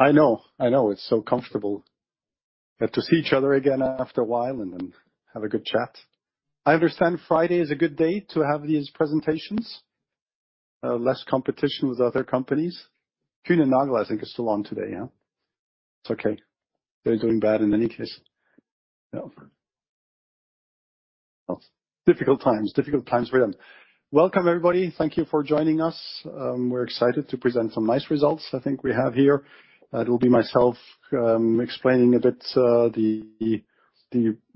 I know, I know. It's so comfortable to see each other again after a while and then have a good chat. I understand Friday is a good day to have these presentations, less competition with other companies. Kuehne Nagel, I think, is still on today, huh? It's okay. They're doing bad in any case. Yeah. Difficult times, difficult times for them. Welcome, everybody. Thank you for joining us. We're excited to present some nice results, I think, we have here. It'll be myself, explaining a bit, the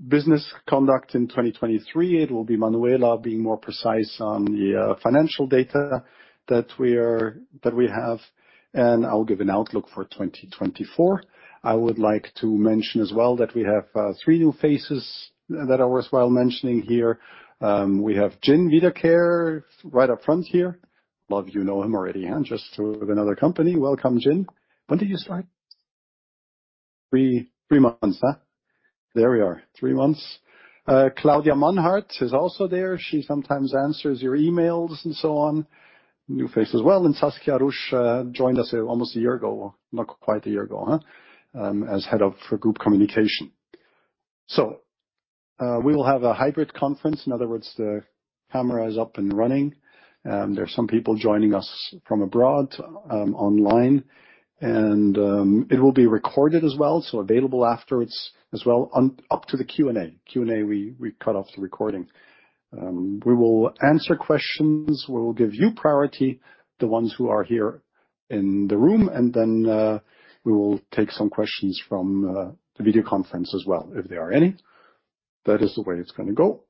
business conduct in 2023. It'll be Manuela being more precise on the financial data that we have, and I'll give an outlook for 2024. I would like to mention as well that we have three new faces that are worthwhile mentioning here. We have Jan Viedt right up front here. A lot of you know him already, huh, just with another company. Welcome, Jan. When did you start? Three, three months, huh? There we are, three months. Claudia Meinhardt is also there. She sometimes answers your emails and so on. New face as well. And Saskia Rusch joined us almost a year ago, not quite a year ago, huh, as head of group communication. So, we will have a hybrid conference. In other words, the camera is up and running. There are some people joining us from abroad, online. It will be recorded as well, so available afterwards as well, online up to the Q&A. Q&A, we cut off the recording. We will answer questions. We will give you priority, the ones who are here in the room, and then we will take some questions from the video conference as well, if there are any. That is the way it's gonna go.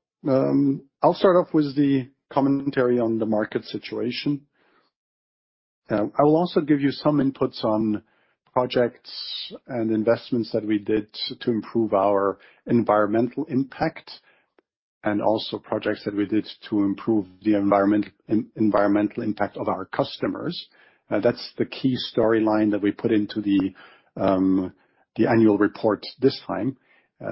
I'll start off with the commentary on the market situation. I will also give you some inputs on projects and investments that we did to improve our environmental impact and also projects that we did to improve the environmental impact of our customers. That's the key storyline that we put into the annual report this time,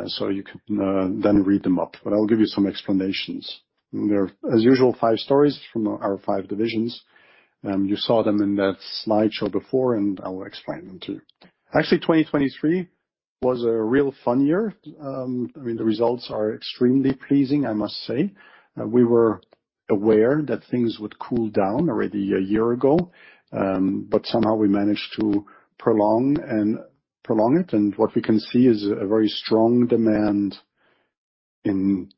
so you can then read them up. But I'll give you some explanations. There are, as usual, five stories from our five divisions. You saw them in that slideshow before, and I will explain them to you. Actually, 2023 was a real fun year. I mean, the results are extremely pleasing, I must say. We were aware that things would cool down already a year ago, but somehow we managed to prolong and prolong it. What we can see is a very strong demand in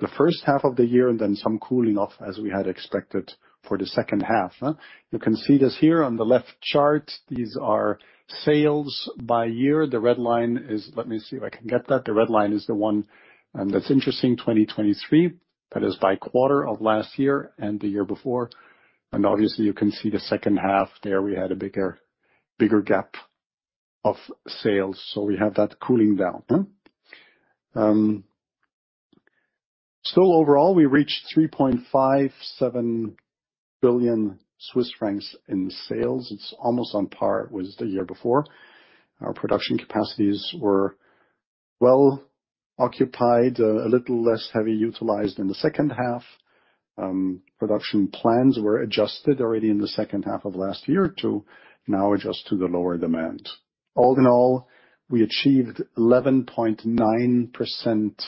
the first half of the year and then some cooling off as we had expected for the second half. You can see this here on the left chart. These are sales by year. The red line is let me see if I can get that. The red line is the one, that's interesting, 2023. That is by quarter of last year and the year before. And obviously, you can see the second half there. We had a bigger bigger gap of sales, so we have that cooling down. Still overall, we reached 3.57 billion Swiss francs in sales. It's almost on par with the year before. Our production capacities were well occupied, a little less heavy utilized in the second half. Production plans were adjusted already in the second half of last year to now adjust to the lower demand. All in all, we achieved 11.9%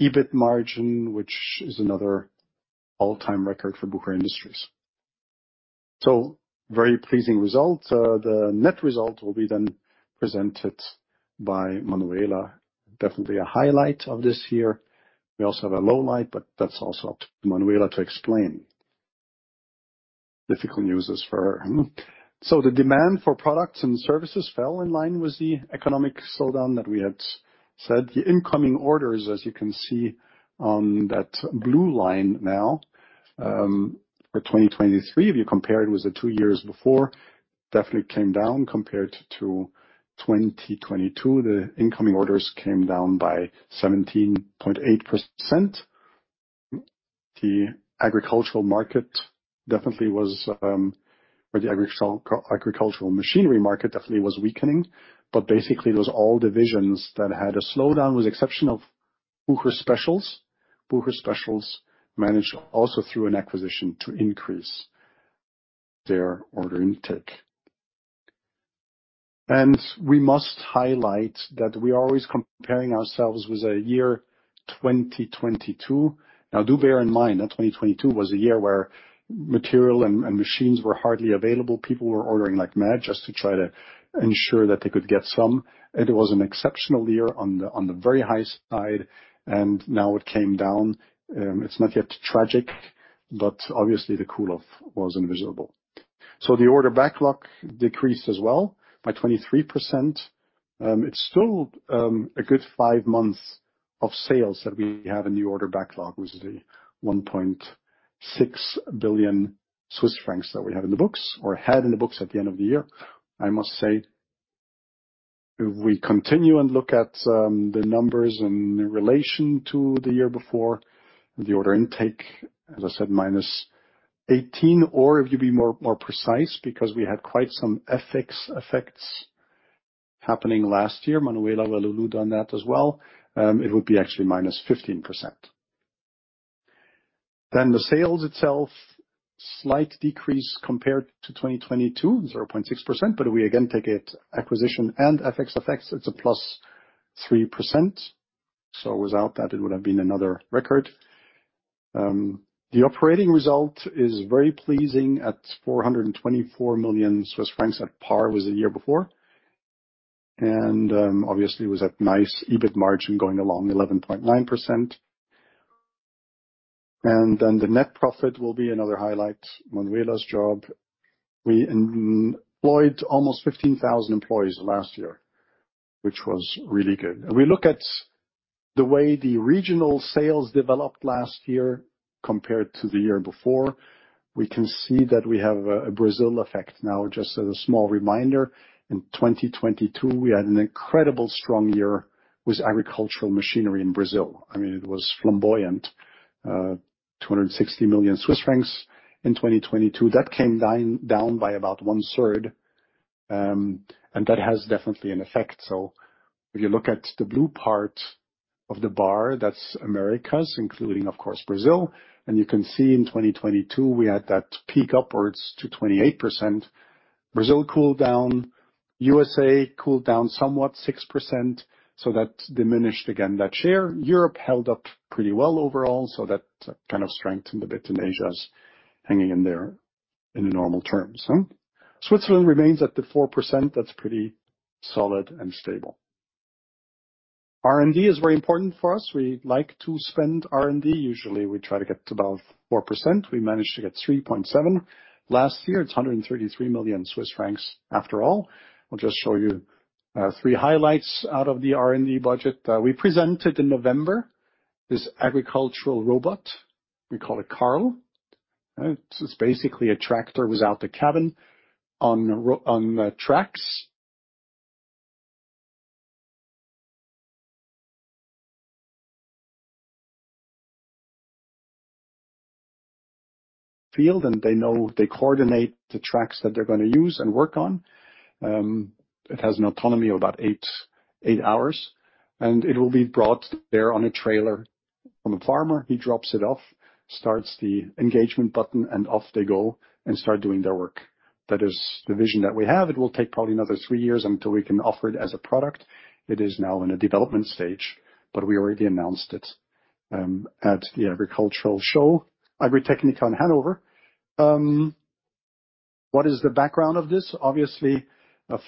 EBIT margin, which is another all-time record for Bucher Industries. So very pleasing results. The net result will be then presented by Manuela. Definitely a highlight of this year. We also have a low light, but that's also up to Manuela to explain. Difficult news is for her. So the demand for products and services fell in line with the economic slowdown that we had said. The incoming orders, as you can see on that blue line now, for 2023, if you compare it with the two years before, definitely came down compared to 2022. The incoming orders came down by 17.8%. The agricultural market definitely was, or the agricultural machinery market definitely was weakening. But basically, it was all divisions that had a slowdown with the exception of Bucher Specials. Bucher Specials managed also through an acquisition to increase their order intake. And we must highlight that we are always comparing ourselves with a year 2022. Now, do bear in mind that 2022 was a year where material and machines were hardly available. People were ordering like mad just to try to ensure that they could get some. It was an exceptional year on the very high side, and now it came down. It's not yet tragic, but obviously, the cool-off was invisible. So the order backlog decreased as well by 23%. It's still a good five months of sales that we have in the order backlog with the 1.6 billion Swiss francs that we have in the books or had in the books at the end of the year, I must say. If we continue and look at the numbers in relation to the year before, the order intake, as I said, minus 18%, or if you be more more precise, because we had quite some FX effects happening last year, Manuela Suter done that as well, it would be actually minus 15%. Then the sales itself, slight decrease compared to 2022, 0.6%. But if we again take it acquisition and FX effects, it's a plus 3%. So without that, it would have been another record. The operating result is very pleasing at 424 million Swiss francs at par with the year before. Obviously, it was at a nice EBIT margin going along, 11.9%. And then the net profit will be another highlight, Manuela's job. We employed almost 15,000 employees last year, which was really good. And we look at the way the regional sales developed last year compared to the year before, we can see that we have a Brazil effect now. Just as a small reminder, in 2022, we had an incredibly strong year with agricultural machinery in Brazil. I mean, it was flamboyant, 260 million Swiss francs in 2022. That came down by about one-third, and that has definitely an effect. So if you look at the blue part of the bar, that's Americas, including, of course, Brazil. And you can see in 2022, we had that peak upwards to 28%. Brazil cooled down. U.S.A. cooled down somewhat, 6%, so that diminished again that share. Europe held up pretty well overall, so that kind of strengthened a bit. Asia's hanging in there in normal terms, huh? Switzerland remains at the 4%. That's pretty solid and stable. R&D is very important for us. We like to spend R&D. Usually, we try to get to about 4%. We managed to get 3.7% last year. It's 133 million Swiss francs after all. I'll just show you three highlights out of the R&D budget. We presented in November this agricultural robot. We call it Karl. It's basically a tractor without the cabin, robot on tracks for the field, and they can coordinate the tracks that they're going to use and work on. It has an autonomy of about eight hours, and it will be brought there on a trailer from a farmer. He drops it off, starts the engagement button, and off they go and start doing their work. That is the vision that we have. It will take probably another three years until we can offer it as a product. It is now in a development stage, but we already announced it at the Agricultural Show Agritechnica in Hanover. What is the background of this? Obviously,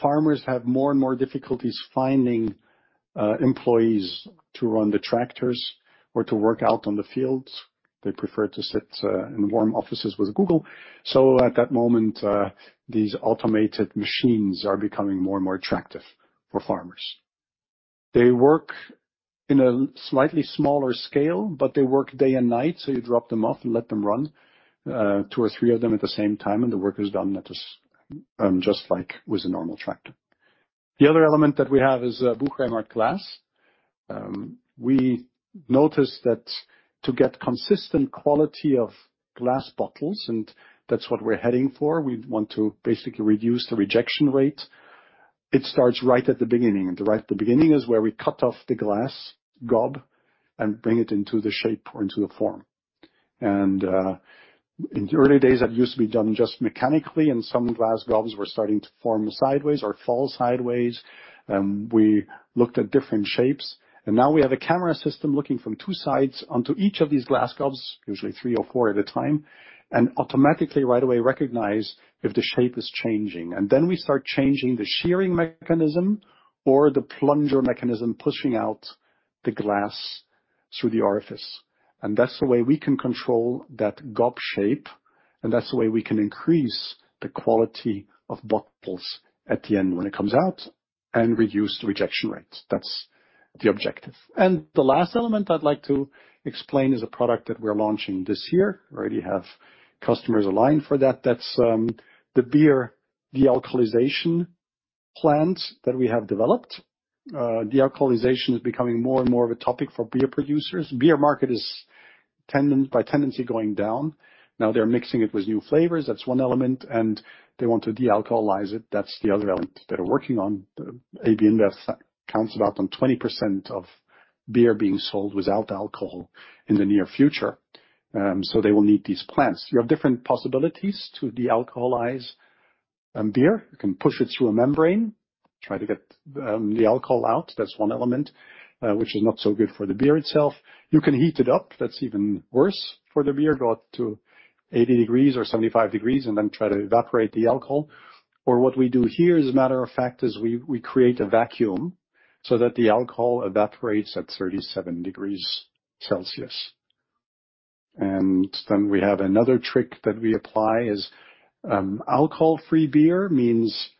farmers have more and more difficulties finding employees to run the tractors or to work out on the fields. They prefer to sit in warm offices with Google. So at that moment, these automated machines are becoming more and more attractive for farmers. They work in a slightly smaller scale, but they work day and night, so you drop them off and let them run, two or three of them at the same time, and the work is done just like with a normal tractor. The other element that we have is, Bucher Industries glass. We noticed that to get consistent quality of glass bottles, and that's what we're heading for, we want to basically reduce the rejection rate. It starts right at the beginning. Right at the beginning is where we cut off the glass gob and bring it into the shape or into the form. In the early days, that used to be done just mechanically, and some glass gobs were starting to form sideways or fall sideways. We looked at different shapes, and now we have a camera system looking from two sides onto each of these glass gobs, usually three or four at a time, and automatically right away recognize if the shape is changing. And then we start changing the shearing mechanism or the plunger mechanism pushing out the glass through the orifice. And that's the way we can control that gob shape, and that's the way we can increase the quality of bottles at the end when it comes out and reduce the rejection rate. That's the objective. And the last element I'd like to explain is a product that we're launching this year. We already have customers aligned for that. That's the beer dealcoholization plant that we have developed. Dealcoholization is becoming more and more of a topic for beer producers. Beer market is tend by tendency going down. Now, they're mixing it with new flavors. That's one element, and they want to dealcoholize it. That's the other element that they're working on. The AB InBev counts on about 20% of beer being sold without alcohol in the near future, so they will need these plants. You have different possibilities to dealcoholize beer. You can push it through a membrane, try to get the alcohol out. That's one element, which is not so good for the beer itself. You can heat it up. That's even worse for the beer. Go up to 80 degrees or 75 degrees and then try to evaporate the alcohol. Or what we do here, as a matter of fact, is we create a vacuum so that the alcohol evaporates at 37 degrees Celsius. And then we have another trick that we apply is, alcohol-free beer means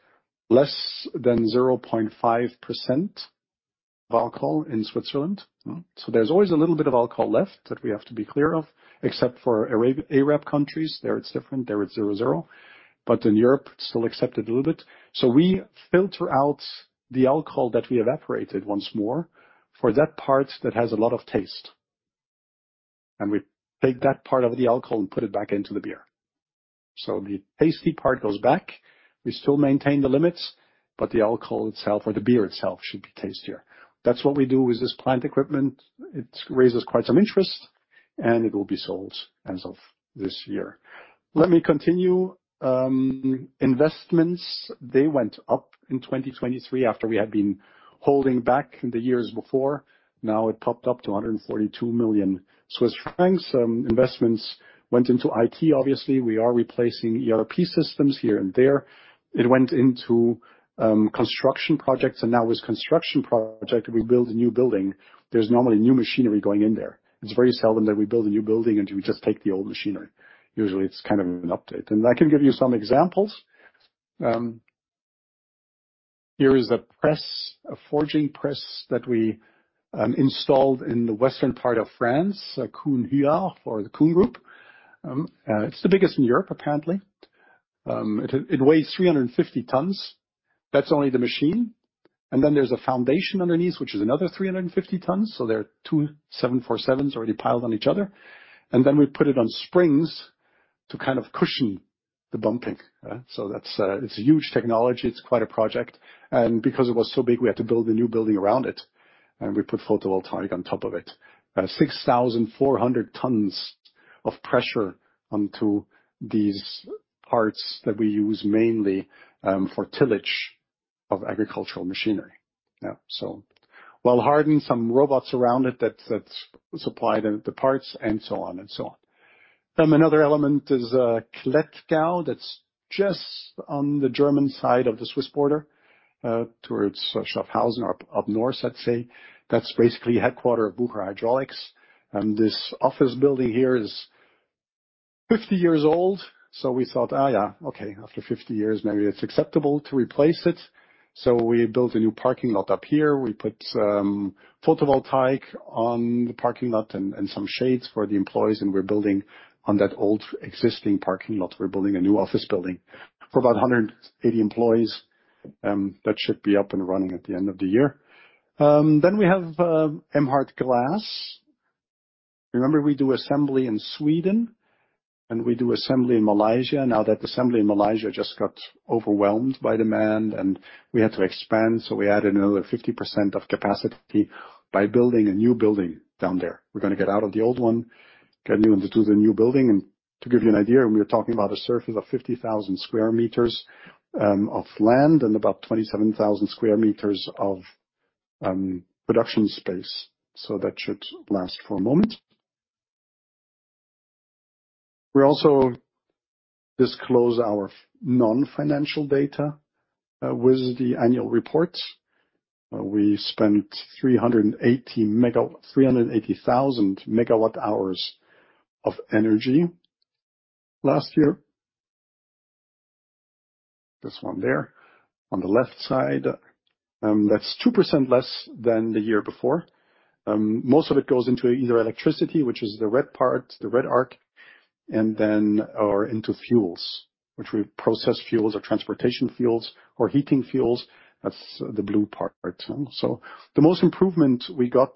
less than 0.5% of alcohol in Switzerland, huh? So there's always a little bit of alcohol left that we have to be clear of, except for Arab countries. There it's different. There it's zero-zero. But in Europe, it's still accepted a little bit. So we filter out the alcohol that we evaporated once more for that part that has a lot of taste. And we take that part of the alcohol and put it back into the beer. So the tasty part goes back. We still maintain the limits, but the alcohol itself or the beer itself should be tastier. That's what we do with this plant equipment. It raises quite some interest, and it will be sold as of this year. Let me continue. Investments, they went up in 2023 after we had been holding back in the years before. Now, it popped up to 142 million Swiss francs. Investments went into IT. Obviously, we are replacing ERP systems here and there. It went into construction projects. And now, with construction projects, we build a new building. There's normally new machinery going in there. It's very seldom that we build a new building and we just take the old machinery. Usually, it's kind of an update. And I can give you some examples. Here is a press, a forging press that we installed in the western part of France, a Kuhn Huard for the Kuhn Group. It's the biggest in Europe, apparently. It weighs 350 tons. That's only the machine. And then there's a foundation underneath, which is another 350 tons. So there are two 747s already piled on each other. And then we put it on springs to kind of cushion the bumping, huh? So that's, it's a huge technology. It's quite a project. And because it was so big, we had to build a new building around it, and we put photovoltaic on top of it. 6,400 tons of pressure onto these parts that we use mainly for tillage of agricultural machinery, yeah? So well-hardened, some robots around it that supply the parts, and so on and so on. Another element is Klettgau. That's just on the German side of the Swiss border, towards Schaffhausen or up north, I'd say. That's basically headquarters of Bucher Hydraulics. This office building here is 50 years old, so we thought, yeah, okay, after 50 years, maybe it's acceptable to replace it. So we built a new parking lot up here. We put photovoltaic on the parking lot and some shades for the employees. And we're building on that old existing parking lot. We're building a new office building for about 180 employees. That should be up and running at the end of the year. Then we have Emhart Glass. Remember, we do assembly in Sweden, and we do assembly in Malaysia. Now, that assembly in Malaysia just got overwhelmed by demand, and we had to expand. So we added another 50% of capacity by building a new building down there. We're going to get out of the old one, get new into the new building. And to give you an idea, we're talking about a surface of 50,000 square meters of land and about 27,000 square meters of production space. So that should last for a moment. We also disclose our non-financial data with the annual reports. We spent 380,000 MWh of energy last year. This one there on the left side, that's 2% less than the year before. Most of it goes into either electricity, which is the red part, the red arc, and then or into fuels, which we process fuels or transportation fuels or heating fuels. That's the blue part, huh? So the most improvement we got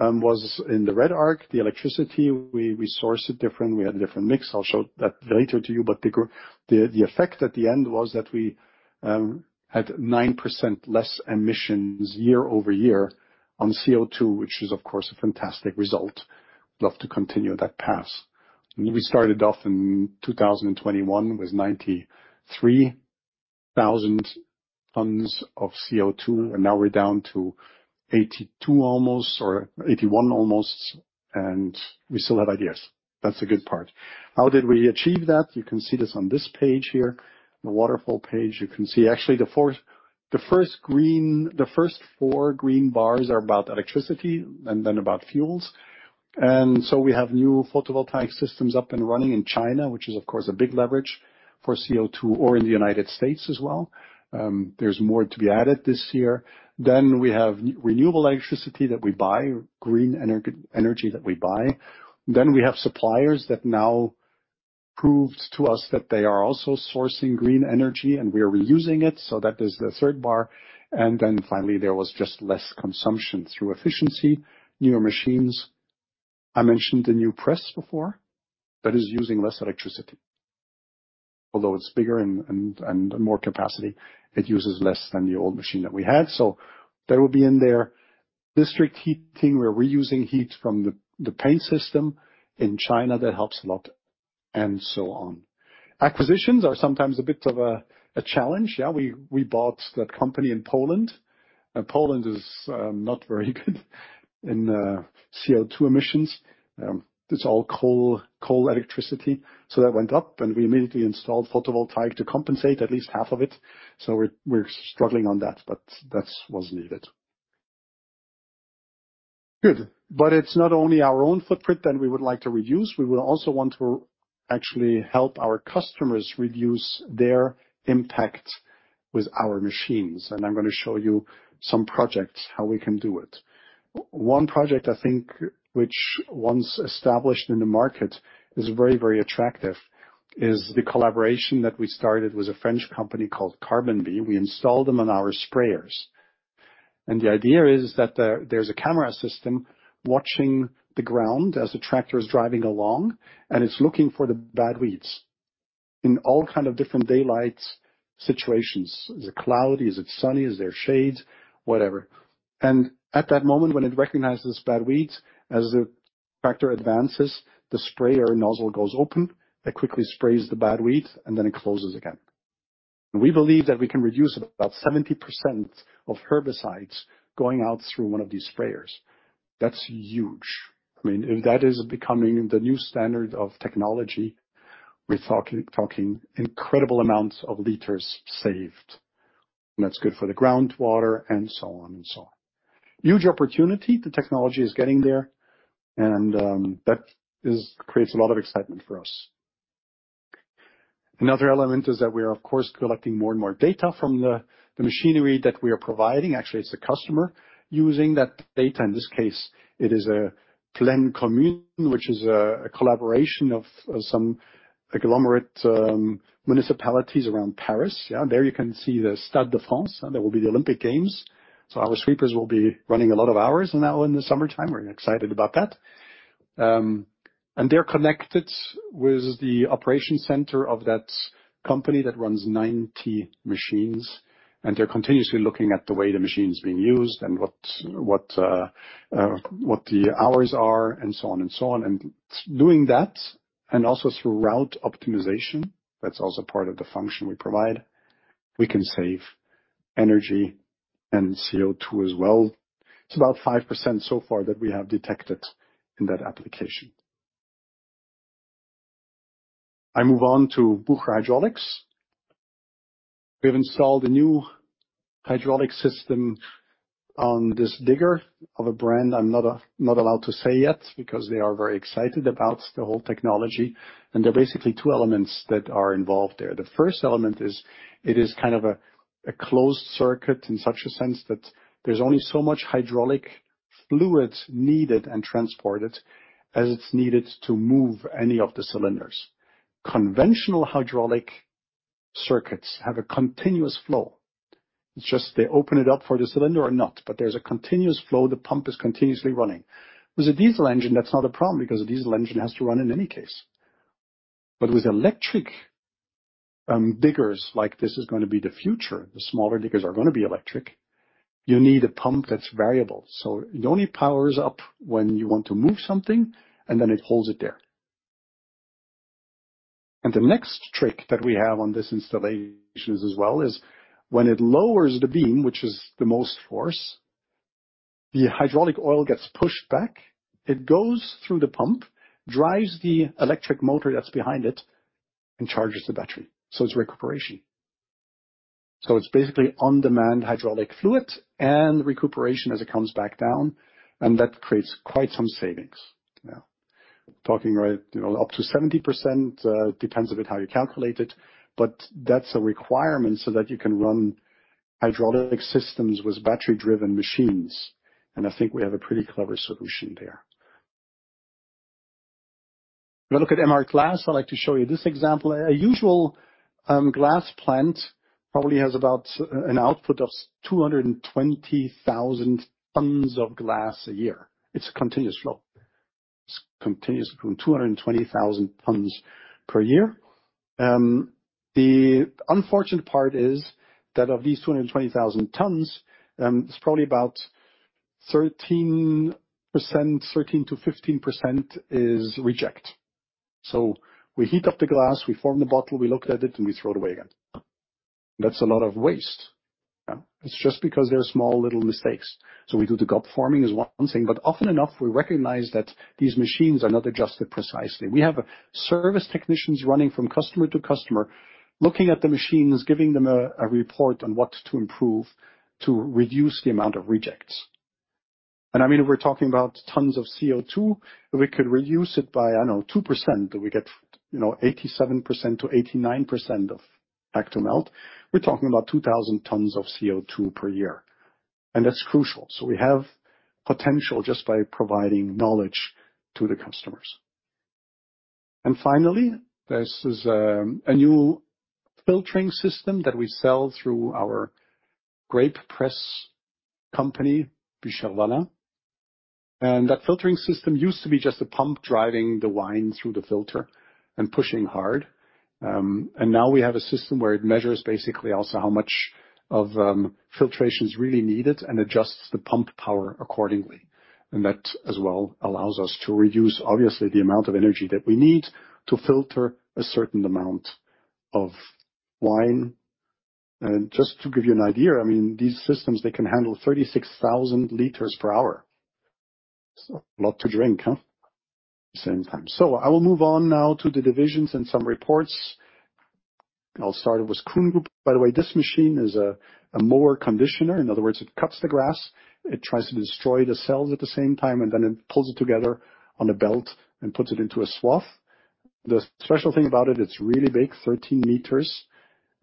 was in the red arc, the electricity. We source it different. We had a different mix. I'll show that later to you. But the effect at the end was that we had 9% less emissions year-over-year on CO2, which is, of course, a fantastic result. We'd love to continue that path. We started off in 2021 with 93,000 tons of CO2, and now we're down to 82 almost or 81 almost, and we still have ideas. That's a good part. How did we achieve that? You can see this on this page here, the waterfall page. You can see actually the first four green bars are about electricity and then about fuels. And so we have new photovoltaic systems up and running in China, which is, of course, a big leverage for CO2, or in the United States as well. There's more to be added this year. Then we have renewable electricity that we buy, green energy that we buy. Then we have suppliers that now proved to us that they are also sourcing green energy, and we are reusing it. So that is the third bar. And then finally, there was just less consumption through efficiency, newer machines. I mentioned the new press before. That is using less electricity. Although it's bigger and more capacity, it uses less than the old machine that we had. So that will be in there. District heating, we're reusing heat from the paint system in China. That helps a lot, and so on. Acquisitions are sometimes a bit of a challenge. Yeah, we bought that company in Poland. Poland is not very good in CO2 emissions. It's all coal electricity. So that went up, and we immediately installed photovoltaic to compensate at least half of it. So we're struggling on that, but that was needed. Good. But it's not only our own footprint that we would like to reduce. We would also want to actually help our customers reduce their impact with our machines. And I'm going to show you some projects, how we can do it. One project, I think, which once established in the market is very, very attractive, is the collaboration that we started with a French company called Carbon Bee. We installed them on our sprayers. The idea is that there's a camera system watching the ground as the tractor is driving along, and it's looking for the bad weeds in all kinds of different daylight situations. Is it cloudy? Is it sunny? Is there shade? Whatever. At that moment, when it recognizes bad weeds, as the tractor advances, the sprayer nozzle goes open. It quickly sprays the bad weeds, and then it closes again. We believe that we can reduce about 70% of herbicides going out through one of these sprayers. That's huge. I mean, if that is becoming the new standard of technology, we're talking incredible amounts of liters saved. And that's good for the groundwater and so on and so on. Huge opportunity. The technology is getting there, and that creates a lot of excitement for us. Another element is that we are, of course, collecting more and more data from the machinery that we are providing. Actually, it's a customer using that data. In this case, it is a Plaine Commune, which is a collaboration of some agglomerate municipalities around Paris. Yeah, there you can see the Stade de France. There will be the Olympic Games. So our sweepers will be running a lot of hours now in the summertime. We're excited about that. And they're connected with the operations center of that company that runs 90 machines. And they're continuously looking at the way the machine's being used and what the hours are and so on and so on. Doing that and also through route optimization—that's also part of the function we provide—we can save energy and CO2 as well. It's about 5% so far that we have detected in that application. I move on to Bucher Hydraulics. We have installed a new hydraulic system on this digger of a brand I'm not allowed to say yet because they are very excited about the whole technology. And there are basically two elements that are involved there. The first element is it is kind of a closed circuit in such a sense that there's only so much hydraulic fluid needed and transported as it's needed to move any of the cylinders. Conventional hydraulic circuits have a continuous flow. It's just they open it up for the cylinder or not, but there's a continuous flow. The pump is continuously running. With a diesel engine, that's not a problem because a diesel engine has to run in any case. But with electric, diggers like this, it's going to be the future. The smaller diggers are going to be electric. You need a pump that's variable. So it only powers up when you want to move something, and then it holds it there. And the next trick that we have on this installation as well is when it lowers the beam, which is the most force, the hydraulic oil gets pushed back. It goes through the pump, drives the electric motor that's behind it, and charges the battery. So it's recuperation. So it's basically on-demand hydraulic fluid and recuperation as it comes back down. And that creates quite some savings. Yeah, talking right, you know, up to 70%, depends a bit how you calculate it, but that's a requirement so that you can run hydraulic systems with battery-driven machines. And I think we have a pretty clever solution there. If you look at Emhart Glass, I'd like to show you this example. A usual glass plant probably has about an output of 220,000 tons of glass a year. It's a continuous flow. It's continuously doing 220,000 tons per year. The unfortunate part is that of these 220,000 tons, it's probably about 13%, 13%-15% is reject. So we heat up the glass, we form the bottle, we look at it, and we throw it away again. That's a lot of waste. Yeah, it's just because there are small little mistakes. So we do the gob forming as one thing, but often enough, we recognize that these machines are not adjusted precisely. We have service technicians running from customer to customer, looking at the machines, giving them a report on what to improve to reduce the amount of rejects. And I mean, if we're talking about tons of CO2, if we could reduce it by, I don't know, 2%, that we get, you know, 87%-89% of back-to-melt, we're talking about 2,000 tons of CO2 per year. And that's crucial. So we have potential just by providing knowledge to the customers. And finally, this is a new filtering system that we sell through our grape press company, Bucher Vaslin. And that filtering system used to be just a pump driving the wine through the filter and pushing hard. And now we have a system where it measures basically also how much of filtration's really needed and adjusts the pump power accordingly. And that as well allows us to reduce, obviously, the amount of energy that we need to filter a certain amount of wine. And just to give you an idea, I mean, these systems, they can handle 36,000 liters per hour. It's a lot to drink, huh? At the same time. So I will move on now to the divisions and some reports. I'll start with KUHN Group. By the way, this machine is a mower conditioner. In other words, it cuts the grass. It tries to destroy the cells at the same time, and then it pulls it together on a belt and puts it into a swath. The special thing about it, it's really big, 13 meters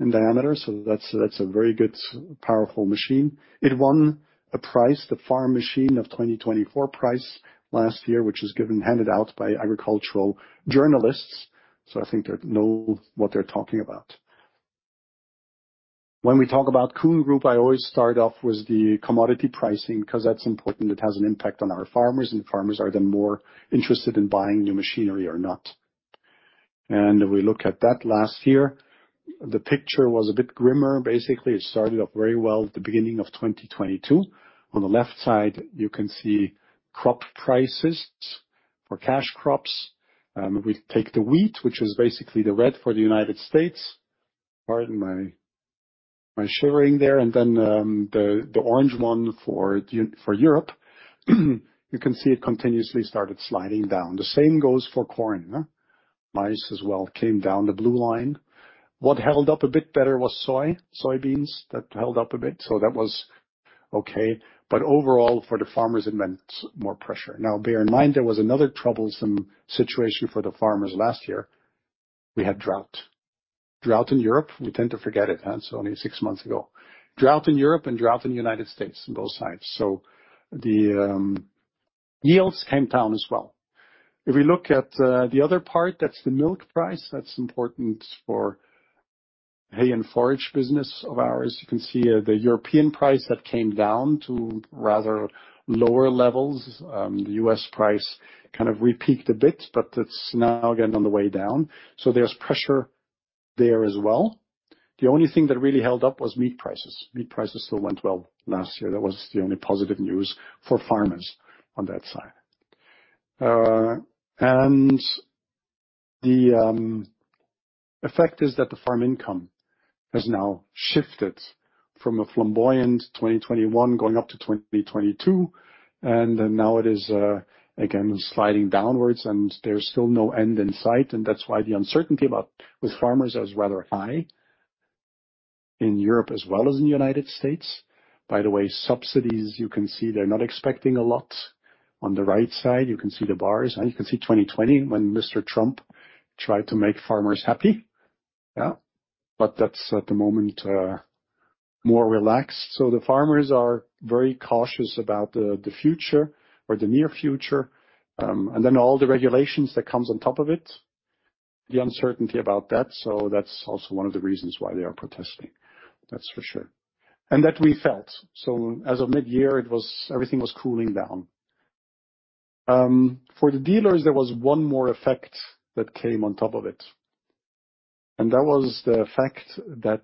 in diameter. So that's a very good, powerful machine. It won a prize, the Farm Machine of 2024 prize last year, which is handed out by agricultural journalists. So I think they know what they're talking about. When we talk about KUHN Group, I always start off with the commodity pricing because that's important. It has an impact on our farmers, and farmers are then more interested in buying new machinery or not. And we look at that last year. The picture was a bit grimmer, basically. It started off very well at the beginning of 2022. On the left side, you can see crop prices for cash crops. We take the wheat, which is basically the red for the United States. Pardon my shivering there. And then, the orange one for Europe, you can see it continuously started sliding down. The same goes for corn, huh? Maize as well came down below line. What held up a bit better was soy, soybeans that held up a bit. So that was okay. But overall, for the farmers, it meant more pressure. Now, bear in mind, there was another troublesome situation for the farmers last year. We had drought. Drought in Europe, we tend to forget it, huh? It's only six months ago. Drought in Europe and drought in the United States on both sides. So the yields came down as well. If we look at the other part, that's the milk price. That's important for hay and forage business of ours. You can see the European price that came down to rather lower levels. The U.S. price kind of repeaked a bit, but it's now again on the way down. So there's pressure there as well. The only thing that really held up was meat prices. Meat prices still went well last year. That was the only positive news for farmers on that side. The effect is that the farm income has now shifted from a buoyant 2021 going up to 2022. Now it is again sliding downwards, and there's still no end in sight. That's why the uncertainty with farmers is rather high in Europe as well as in the United States. By the way, subsidies, you can see they're not expecting a lot. On the right side, you can see the bars, and you can see 2020 when Mr. Trump tried to make farmers happy. Yeah, but that's at the moment more relaxed. So the farmers are very cautious about the future or the near future. Then all the regulations that come on top of it, the uncertainty about that. So that's also one of the reasons why they are protesting. That's for sure. And that we felt. So as of midyear, it was everything was cooling down. For the dealers, there was one more effect that came on top of it. And that was the fact that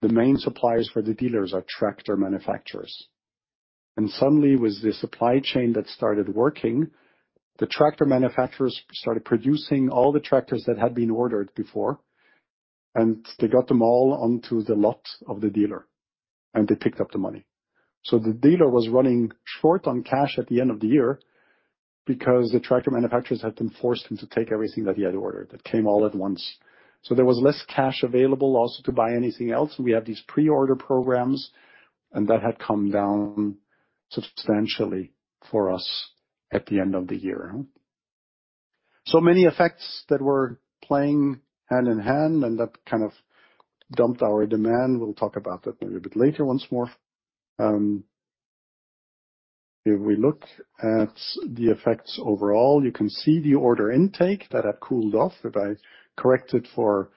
the main suppliers for the dealers are tractor manufacturers. And suddenly, with the supply chain that started working, the tractor manufacturers started producing all the tractors that had been ordered before, and they got them all onto the lot of the dealer, and they picked up the money. So the dealer was running short on cash at the end of the year because the tractor manufacturers had been forced him to take everything that he had ordered that came all at once. So there was less cash available also to buy anything else. We have these pre-order programs, and that had come down substantially for us at the end of the year. So many effects that were playing hand in hand, and that kind of dumped our demand. We'll talk about that maybe a bit later once more. If we look at the effects overall, you can see the order intake that had cooled off. If I correct it for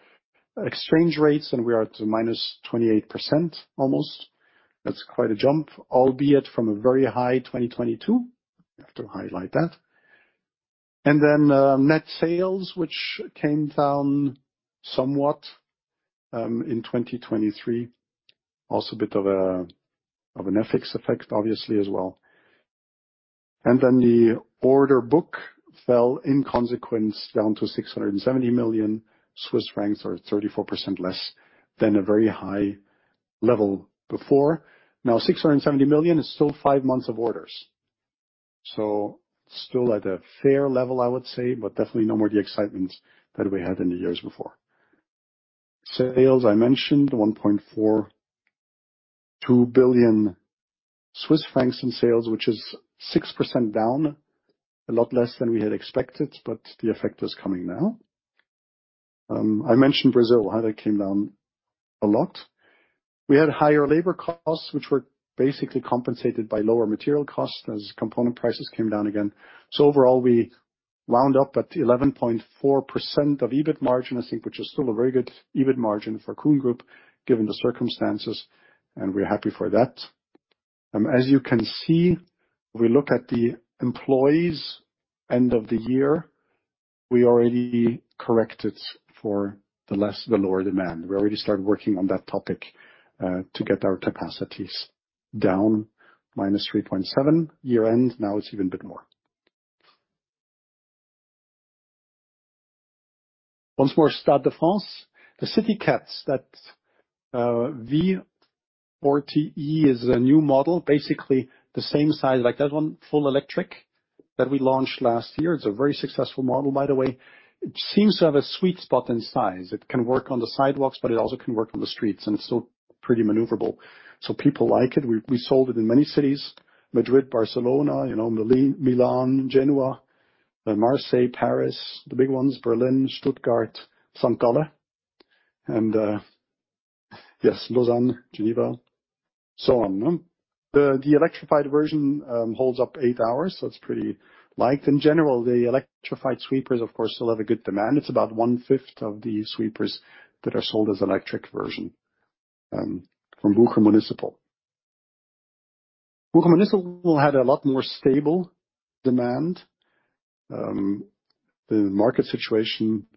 exchange rates, then we are at -28% almost. That's quite a jump, albeit from a very high 2022. I have to highlight that. Then, net sales, which came down somewhat, in 2023. Also a bit of a of an FX effect, obviously, as well. Then the order book fell in consequence down to 670 million Swiss francs, or 34% less than a very high level before. Now, 670 million is still five months of orders. It's still at a fair level, I would say, but definitely no more the excitement that we had in the years before. Sales, I mentioned, 1.42 billion Swiss francs in sales, which is 6% down, a lot less than we had expected, but the effect is coming now. I mentioned Brazil, huh? That came down a lot. We had higher labor costs, which were basically compensated by lower material costs as component prices came down again. So overall, we wound up at 11.4% of EBIT margin, I think, which is still a very good EBIT margin for KUHN Group given the circumstances, and we're happy for that. As you can see, if we look at the employees' end of the year, we already corrected for the lower demand. We already started working on that topic, to get our capacities down, minus 3.7 year-end. Now it's even a bit more. Once more, Stade de France. The CityCat V40e is a new model, basically the same size like that one, full electric, that we launched last year. It's a very successful model, by the way. It seems to have a sweet spot in size. It can work on the sidewalks, but it also can work on the streets, and it's still pretty maneuverable. So people like it. We sold it in many cities: Madrid, Barcelona, you know, Milan, Genoa, Marseille, Paris, the big ones, Berlin, Stuttgart, St. Gallen, and, yes, Lausanne, Geneva, so on, huh? The electrified version holds up eight hours, so it's pretty liked. In general, the electrified sweepers, of course, still have a good demand. It's about one-fifth of the sweepers that are sold as electric version, from Bucher Municipal. Bucher Municipal had a lot more stable demand. The market situation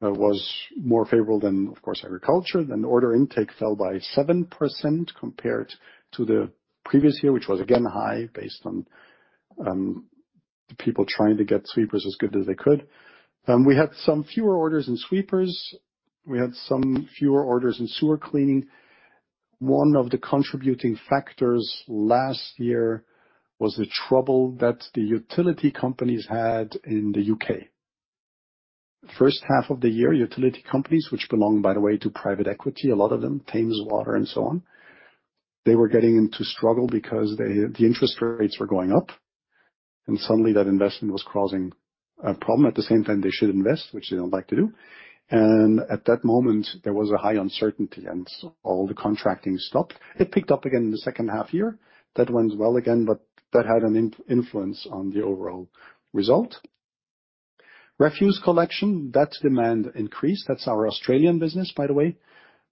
was more favorable than, of course, agriculture. Then order intake fell by 7% compared to the previous year, which was again high based on the people trying to get sweepers as good as they could. We had some fewer orders in sweepers. We had some fewer orders in sewer cleaning. One of the contributing factors last year was the trouble that the utility companies had in the U.K. First half of the year, utility companies, which belong, by the way, to private equity, a lot of them, Thames Water and so on, they were getting into struggle because the interest rates were going up. And suddenly, that investment was causing a problem. At the same time, they should invest, which they don't like to do. And at that moment, there was a high uncertainty, and all the contracting stopped. It picked up again in the second half year. That went well again, but that had an influence on the overall result. Refuse collection, that demand increased. That's our Australian business, by the way.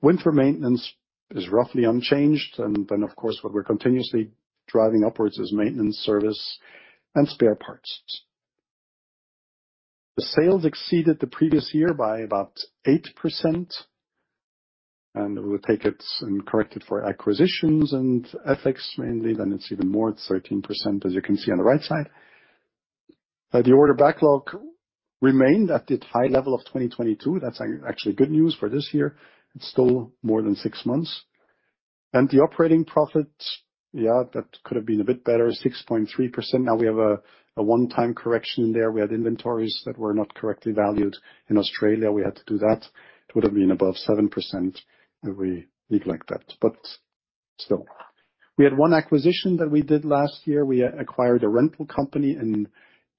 Wind for maintenance is roughly unchanged. And then, of course, what we're continuously driving upwards is maintenance service and spare parts. The sales exceeded the previous year by about 8%. And we would take it and correct it for acquisitions and FX mainly. Then it's even more, 13%, as you can see on the right side. The order backlog remained at the high level of 2022. That's actually good news for this year. It's still more than six months. And the operating profits, yeah, that could have been a bit better, 6.3%. Now we have a one-time correction in there. We had inventories that were not correctly valued in Australia. We had to do that. It would have been above 7% if we neglect that. But still. We had one acquisition that we did last year. We acquired a rental company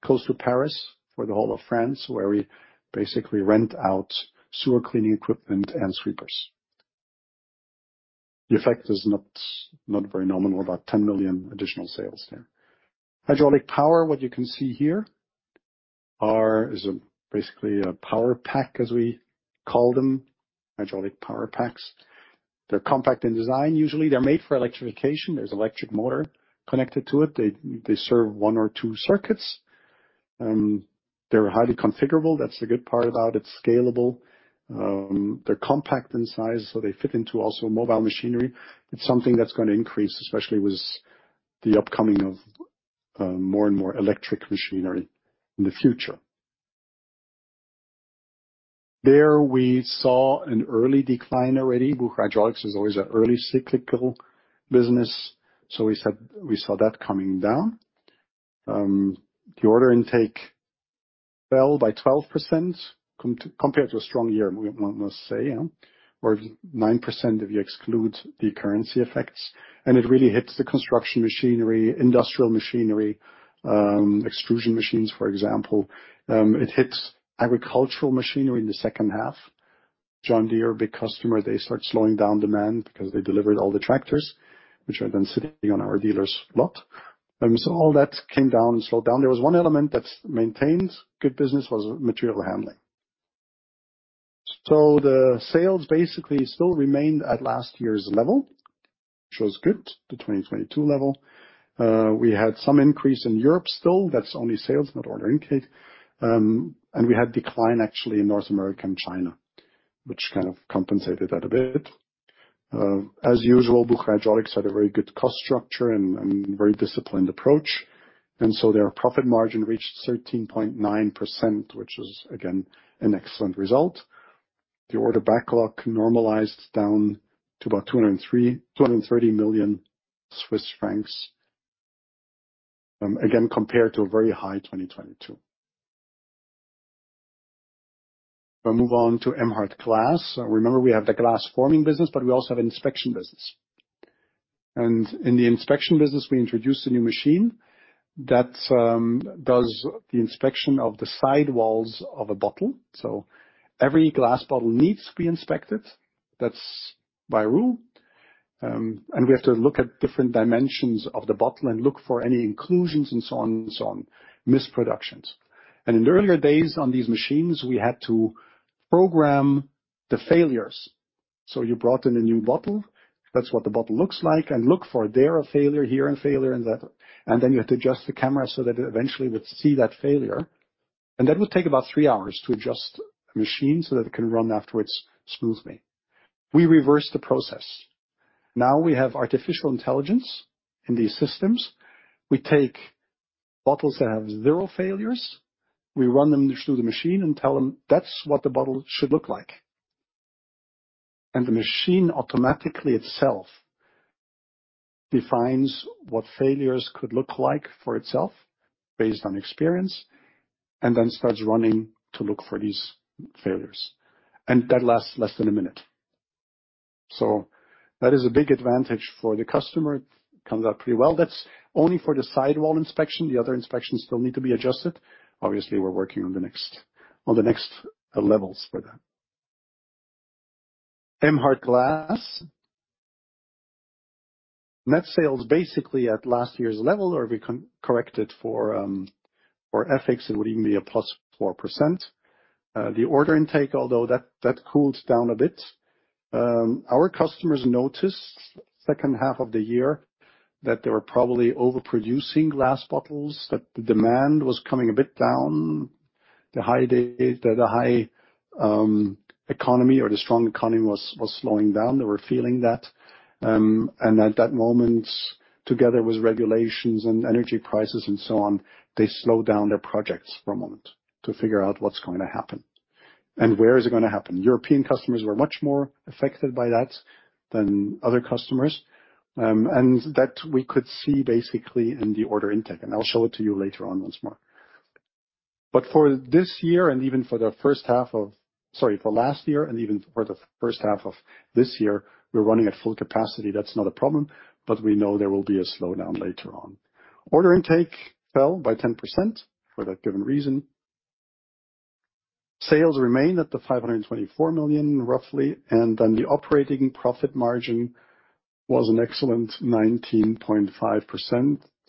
close to Paris for the whole of France, where we basically rent out sewer cleaning equipment and sweepers. The effect is not very nominal, about 10 million additional sales there. Hydraulic power, what you can see here is basically a power pack, as we call them, hydraulic power packs. They're compact in design, usually. They're made for electrification. There's an electric motor connected to it. They serve one or two circuits. They're highly configurable. That's the good part about it. It's scalable. They're compact in size, so they fit into also mobile machinery. It's something that's going to increase, especially with the upcoming of, more and more electric machinery in the future. There we saw an early decline already. Bucher Hydraulics is always an early cyclical business, so we said we saw that coming down. The order intake fell by 12% compared to a strong year, one must say, you know, or 9% if you exclude the currency effects. And it really hits the construction machinery, industrial machinery, extrusion machines, for example. It hits agricultural machinery in the second half. John Deere, big customer, they start slowing down demand because they delivered all the tractors, which are then sitting on our dealer's lot. So all that came down and slowed down. There was one element that's maintained good business was material handling. So the sales basically still remained at last year's level, which was good, the 2022 level. We had some increase in Europe still. That's only sales, not order intake. And we had decline, actually, in North America and China, which kind of compensated that a bit. As usual, Bucher Hydraulics had a very good cost structure and very disciplined approach. And so their profit margin reached 13.9%, which is, again, an excellent result. The order backlog normalized down to about 230 million Swiss francs, again, compared to a very high 2022. I'll move on to Emhart Glass. Remember, we have the glass forming business, but we also have an inspection business. And in the inspection business, we introduced a new machine that does the inspection of the sidewalls of a bottle. So every glass bottle needs to be inspected. That's by rule, and we have to look at different dimensions of the bottle and look for any inclusions and so on and so on, misproductions. And in the earlier days on these machines, we had to program the failures. So you brought in a new bottle. That's what the bottle looks like. Look for there a failure here and failure in that. Then you had to adjust the camera so that it eventually would see that failure. And that would take about 3 hours to adjust a machine so that it can run afterwards smoothly. We reversed the process. Now we have artificial intelligence in these systems. We take bottles that have zero failures. We run them through the machine and tell them, "That's what the bottle should look like." And the machine automatically itself defines what failures could look like for itself based on experience and then starts running to look for these failures. And that lasts less than a minute. So that is a big advantage for the customer. It comes out pretty well. That's only for the sidewall inspection. The other inspections still need to be adjusted. Obviously, we're working on the next levels for that. Emhart Glass. Net sales basically at last year's level, or if we correct it for FX, it would even be a +4%. The order intake, although that cooled down a bit, our customers noticed second half of the year that they were probably overproducing glass bottles, that the demand was coming a bit down. The high economy or the strong economy was slowing down. They were feeling that. And at that moment, together with regulations and energy prices and so on, they slowed down their projects for a moment to figure out what's going to happen. And where is it going to happen? European customers were much more affected by that than other customers. And that we could see basically in the order intake. I'll show it to you later on once more. But for this year and even for the first half of sorry, for last year and even for the first half of this year, we're running at full capacity. That's not a problem, but we know there will be a slowdown later on. Order intake fell by 10% for that given reason. Sales remained at 524 million, roughly. And then the operating profit margin was an excellent 19.5%.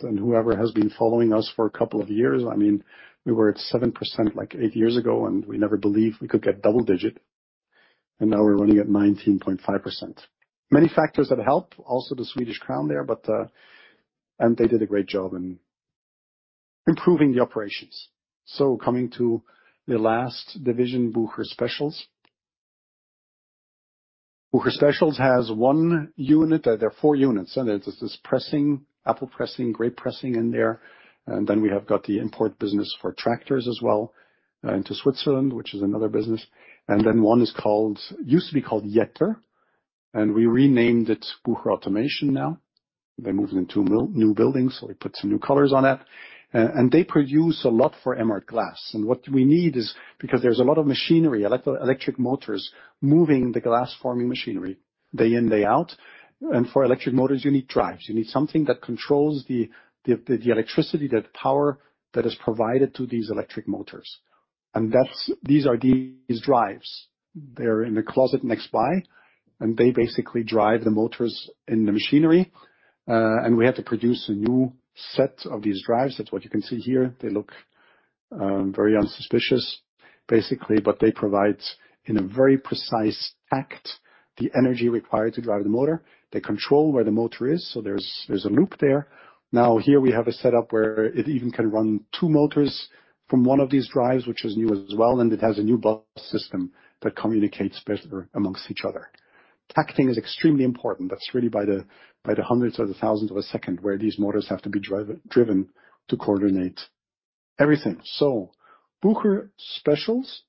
And whoever has been following us for a couple of years, I mean, we were at 7% like 8 years ago, and we never believed we could get double-digit. And now we're running at 19.5%. Many factors that help, also the Swedish krona there, but, and they did a great job in improving the operations. So coming to the last division, Bucher Specials. Bucher Specials has one unit that there are four units, and there's this pressing, apple pressing, grape pressing in there. And then we have got the import business for tractors as well, into Switzerland, which is another business. And then one is called used to be called Jetter, and we renamed it Bucher Automation now. They moved into new buildings, so we put some new colors on that. And they produce a lot for Emhart Glass. And what we need is because there's a lot of machinery, electric motors moving the glass-forming machinery day in, day out. And for electric motors, you need drives. You need something that controls the electricity, that power that is provided to these electric motors. And that's these are these drives. They're in the closet next by, and they basically drive the motors in the machinery. We have to produce a new set of these drives. That's what you can see here. They look very unsuspicious, basically, but they provide in a very precise tact the energy required to drive the motor. They control where the motor is, so there's there's a loop there. Now, here we have a setup where it even can run two motors from one of these drives, which is new as well, and it has a new bus system that communicates better amongst each other. Tacting is extremely important. That's really by the by the hundreds or the thousands of a second where these motors have to be driven to coordinate everything. So Bucher Specials,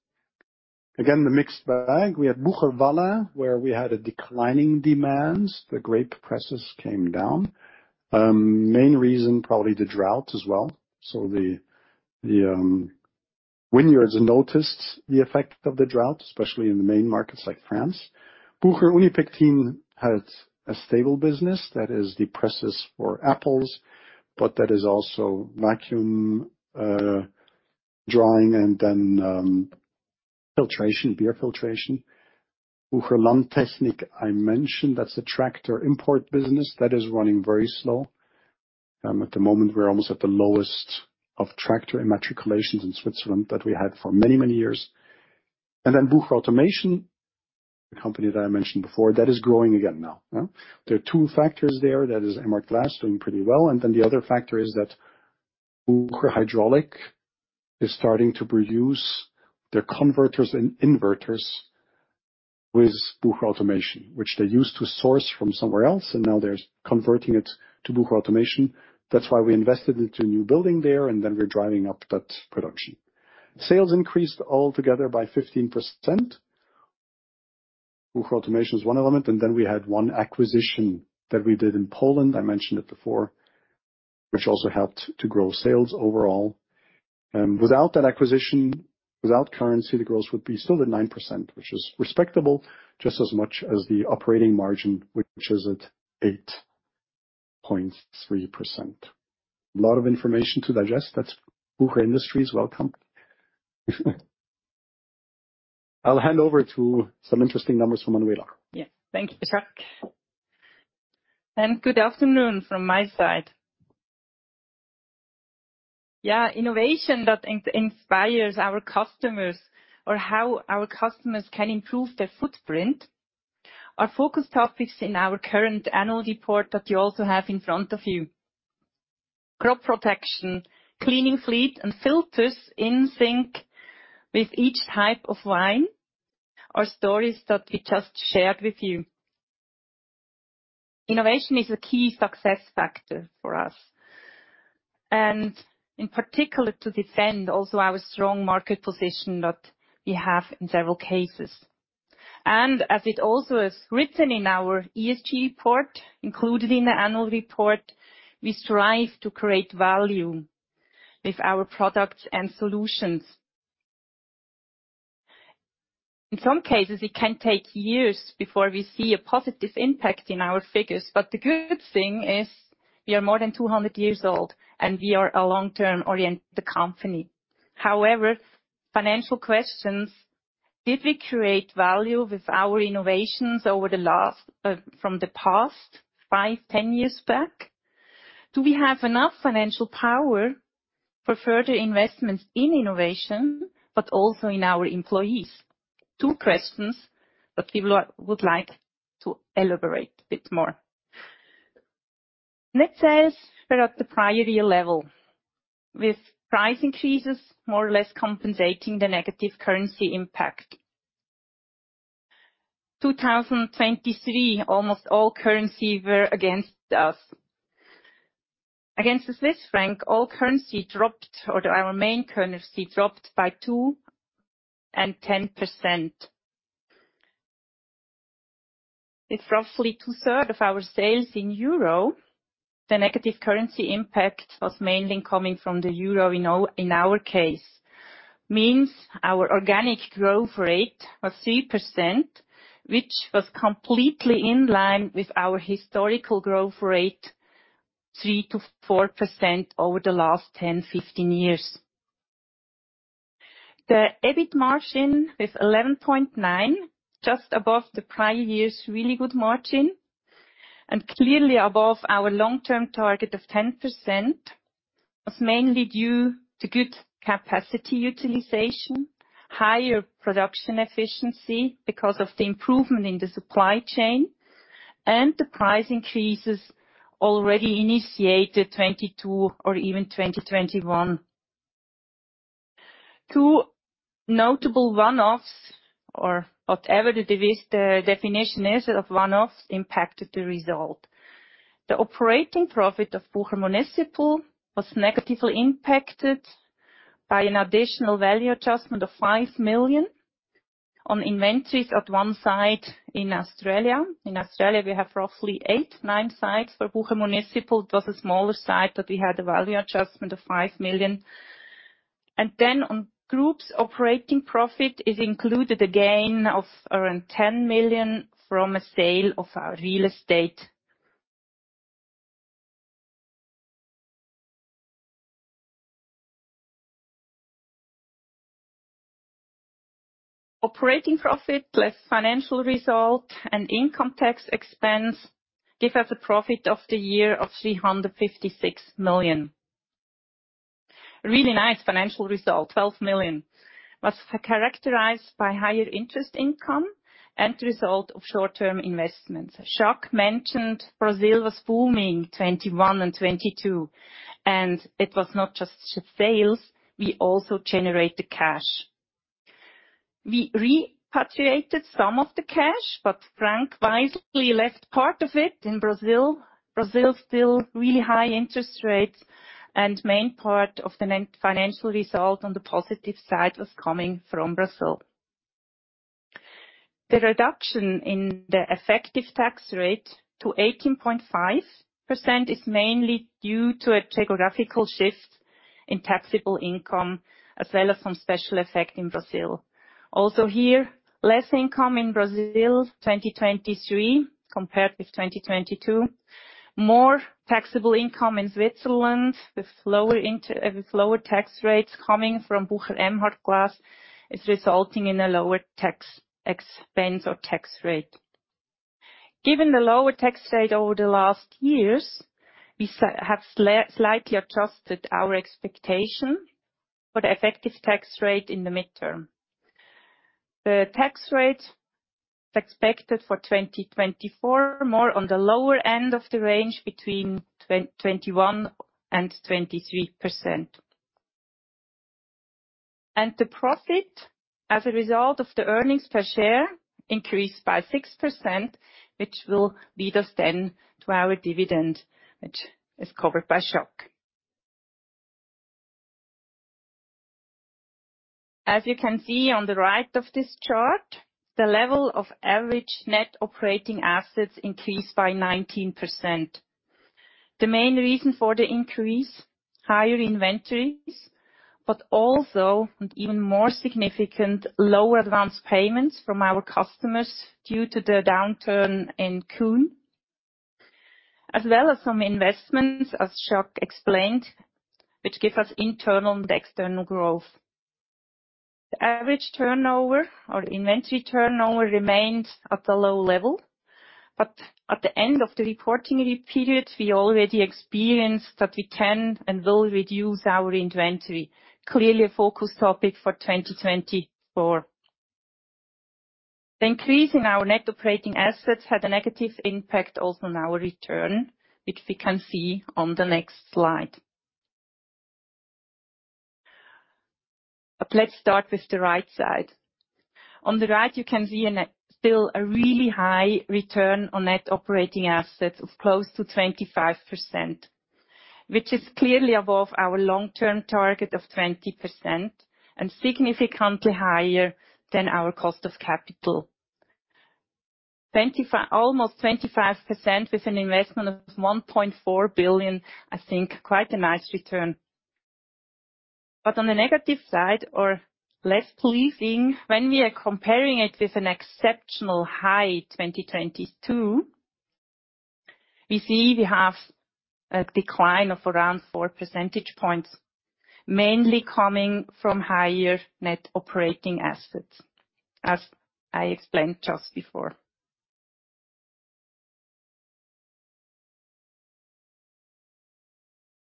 again, the mixed bag. We had Bucher Vaslin, where we had a declining demands. The grape presses came down. Main reason probably the drought as well. So the vineyards noticed the effect of the drought, especially in the main markets like France. Bucher Unipektin had a stable business. That is the presses for apples, but that is also vacuum, drying and then, filtration, beer filtration. Bucher Landtechnik, I mentioned. That's a tractor import business. That is running very slow at the moment, we're almost at the lowest of tractor immatriculations in Switzerland that we had for many, many years. And then Bucher Automation, the company that I mentioned before, that is growing again now, you know? There are two factors there. That is Emhart Glass doing pretty well. And then the other factor is that Bucher Hydraulics is starting to produce their converters and inverters with Bucher Automation, which they used to source from somewhere else, and now they're converting it to Bucher Automation. That's why we invested into a new building there, and then we're driving up that production. Sales increased altogether by 15%. Bucher Automation is one element. And then we had one acquisition that we did in Poland. I mentioned it before, which also helped to grow sales overall. Without that acquisition, without currency, the growth would be still at 9%, which is respectable, just as much as the operating margin, which is at 8.3%. A lot of information to digest. That's Bucher Industries. Welcome. I'll hand over to some interesting numbers from Manuela. Yes, thank you, Jacques. And good afternoon from my side. Yeah, innovation that inspires our customers or how our customers can improve their footprint are focus topics in our current annual report that you also have in front of you. Crop protection, cleaning fleet, and filters in sync with each type of wine are stories that we just shared with you. Innovation is a key success factor for us, and in particular to defend also our strong market position that we have in several cases. As it also is written in our ESG report, included in the annual report, we strive to create value with our products and solutions. In some cases, it can take years before we see a positive impact in our figures. But the good thing is we are more than 200 years old, and we are a long-term oriented company. However, financial questions. Did we create value with our innovations over the last from the past 5, 10 years back? Do we have enough financial power for further investments in innovation, but also in our employees? Two questions that people would like to elaborate a bit more. Net sales fell at the prior year level, with price increases more or less compensating the negative currency impact. 2023, almost all currencies were against us. Against the Swiss franc, all currencies dropped, or our main currency dropped by 2%-10%. It's roughly two-thirds of our sales in euro. The negative currency impact was mainly coming from the euro in our case. Means our organic growth rate was 3%, which was completely in line with our historical growth rate, 3%-4% over the last 10-15 years. The EBIT margin was 11.9%, just above the prior year's really good margin. And clearly above our long-term target of 10% was mainly due to good capacity utilization, higher production efficiency because of the improvement in the supply chain, and the price increases already initiated 2022 or even 2021. Two notable one-offs, or whatever the definition is of one-offs, impacted the result. The operating profit of Bucher Municipal was negatively impacted by an additional value adjustment of 5 million on inventories at one site in Australia. In Australia, we have roughly 8-9 sites for Bucher Municipal. It was a smaller site that we had a value adjustment of 5 million. And then the group's operating profit is included a gain of around 10 million from a sale of our real estate. Operating profit plus financial result and income tax expense give us a profit of the year of 356 million. Really nice financial result, 12 million. Was characterized by higher interest income and the result of short-term investments. Jacques mentioned Brazil was booming 2021 and 2022, and it was not just sales. We also generated cash. We repatriated some of the cash, but Frank wisely left part of it in Brazil. Brazil still really high interest rates, and main part of the financial result on the positive side was coming from Brazil. The reduction in the effective tax rate to 18.5% is mainly due to a geographical shift in taxable income, as well as some special effect in Brazil. Also here, less income in Brazil 2023 compared with 2022, more taxable income in Switzerland with lower tax rates coming from Bucher Emhart Glass is resulting in a lower tax expense or tax rate. Given the lower tax rate over the last years, we have slightly adjusted our expectation for the effective tax rate in the midterm. The tax rate is expected for 2024 more on the lower end of the range between 21%-23%. The profit as a result of the earnings per share increased by 6%, which will lead us then to our dividend, which is covered by Jacques. As you can see on the right of this chart, the level of average net operating assets increased by 19%. The main reason for the increase, higher inventories, but also and even more significant lower advance payments from our customers due to the downturn in Kuhn, as well as some investments, as Jacques explained, which give us internal and external growth. The average turnover or inventory turnover remained at the low level, but at the end of the reporting period, we already experienced that we can and will reduce our inventory. Clearly a focus topic for 2024. The increase in our net operating assets had a negative impact also on our return, which we can see on the next slide. But let's start with the right side. On the right, you can see still a really high return on net operating assets of close to 25%, which is clearly above our long-term target of 20% and significantly higher than our cost of capital. Almost 25% with an investment of 1.4 billion, I think quite a nice return. But on the negative side, or less pleasing, when we are comparing it with an exceptionally high 2022, we see we have a decline of around four percentage points, mainly coming from higher net operating assets, as I explained just before.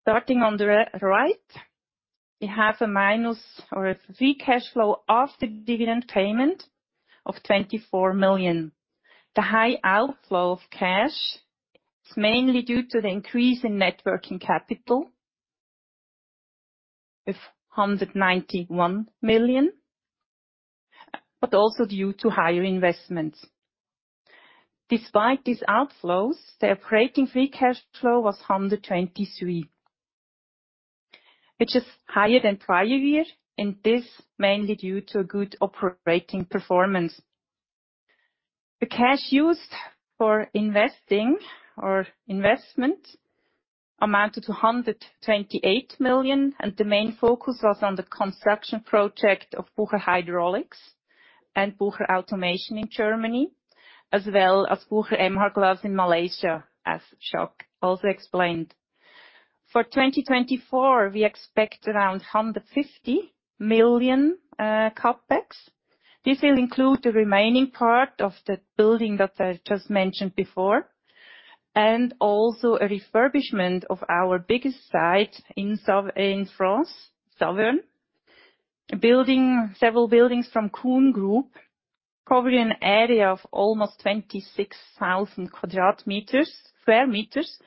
Starting on the right, we have a minus or a free cash flow after dividend payment of 24 million. The high outflow of cash is mainly due to the increase in net working capital, of 191 million, but also due to higher investments. Despite these outflows, the operating free cash flow was 123 million, which is higher than prior year, and this mainly due to a good operating performance. The cash used for investing or investment amounted to 128 million, and the main focus was on the construction project of Bucher Hydraulics and Bucher Automation in Germany, as well as Bucher Emhart Glass in Malaysia, as Jacques also explained. For 2024, we expect around 150 million CAPEX. This will include the remaining part of the building that I just mentioned before, and also a refurbishment of our biggest site in France, Saverne, building several buildings from KUHN Group, covering an area of almost 26,000 square meters.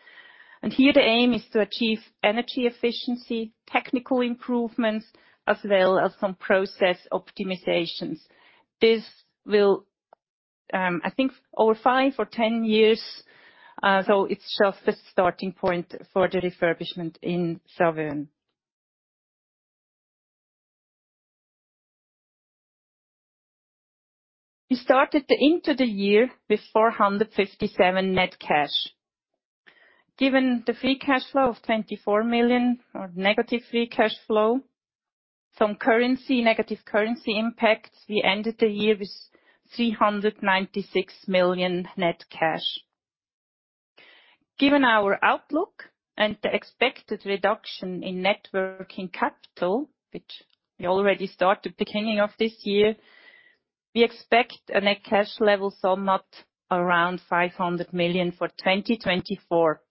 And here the aim is to achieve energy efficiency, technical improvements, as well as some process optimizations. This will, I think, over 5 or 10 years, so it's just the starting point for the refurbishment in Saverne. We started into the year with 457 million net cash. Given the free cash flow of 24 million or negative free cash flow, some currency negative currency impacts, we ended the year with 396 million net cash. Given our outlook and the expected reduction in net working capital, which we already started at the beginning of this year, we expect a net cash level somewhat around 500 million for 2024.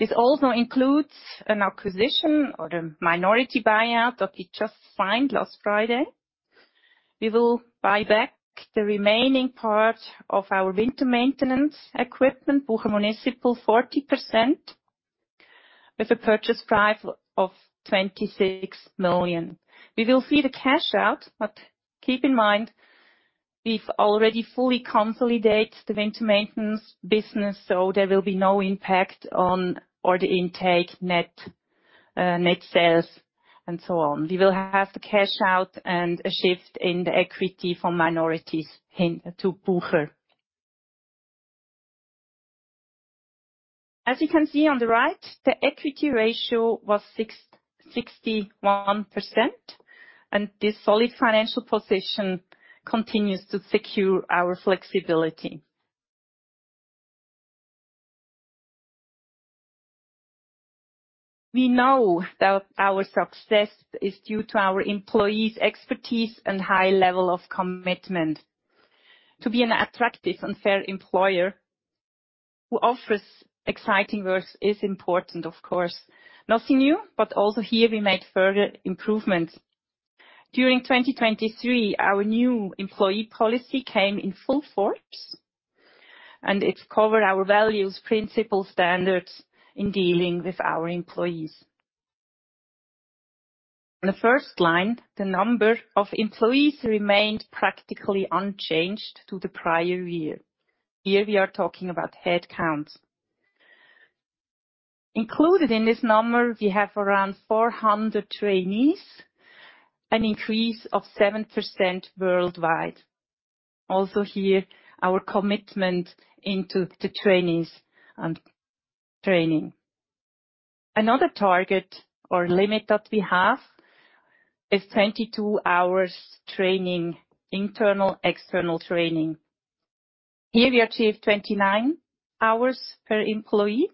This also includes an acquisition or a minority buyout that we just signed last Friday. We will buy back the remaining part of our winter maintenance equipment, Bucher Municipal, 40%, with a purchase price of 26 million. We will see the cash out, but keep in mind we've already fully consolidated the winter maintenance business, so there will be no impact on or the intake net sales and so on. We will have the cash out and a shift in the equity from minorities to Bucher. As you can see on the right, the equity ratio was 61%, and this solid financial position continues to secure our flexibility. We know that our success is due to our employees' expertise and high level of commitment. To be an attractive and fair employer who offers exciting work is important, of course. Nothing new, but also here we made further improvements. During 2023, our new employee policy came in full force, and it's covered our values, principles, standards in dealing with our employees. On the first line, the number of employees remained practically unchanged to the prior year. Here we are talking about headcount. Included in this number, we have around 400 trainees, an increase of 7% worldwide. Also here, our commitment into the trainees and training. Another target or limit that we have is 22 hours training, internal, external training. Here we achieved 29 hours per employee.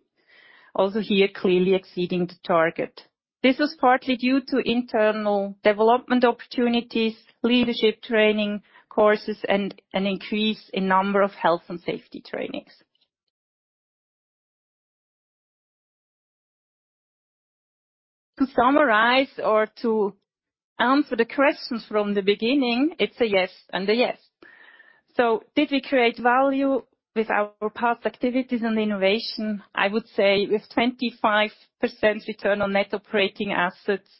Also here, clearly exceeding the target. This was partly due to internal development opportunities, leadership training courses, and an increase in number of health and safety trainings. To summarize or to answer the questions from the beginning, it's a yes and a yes. So did we create value with our past activities and innovation? I would say with 25% return on net operating assets,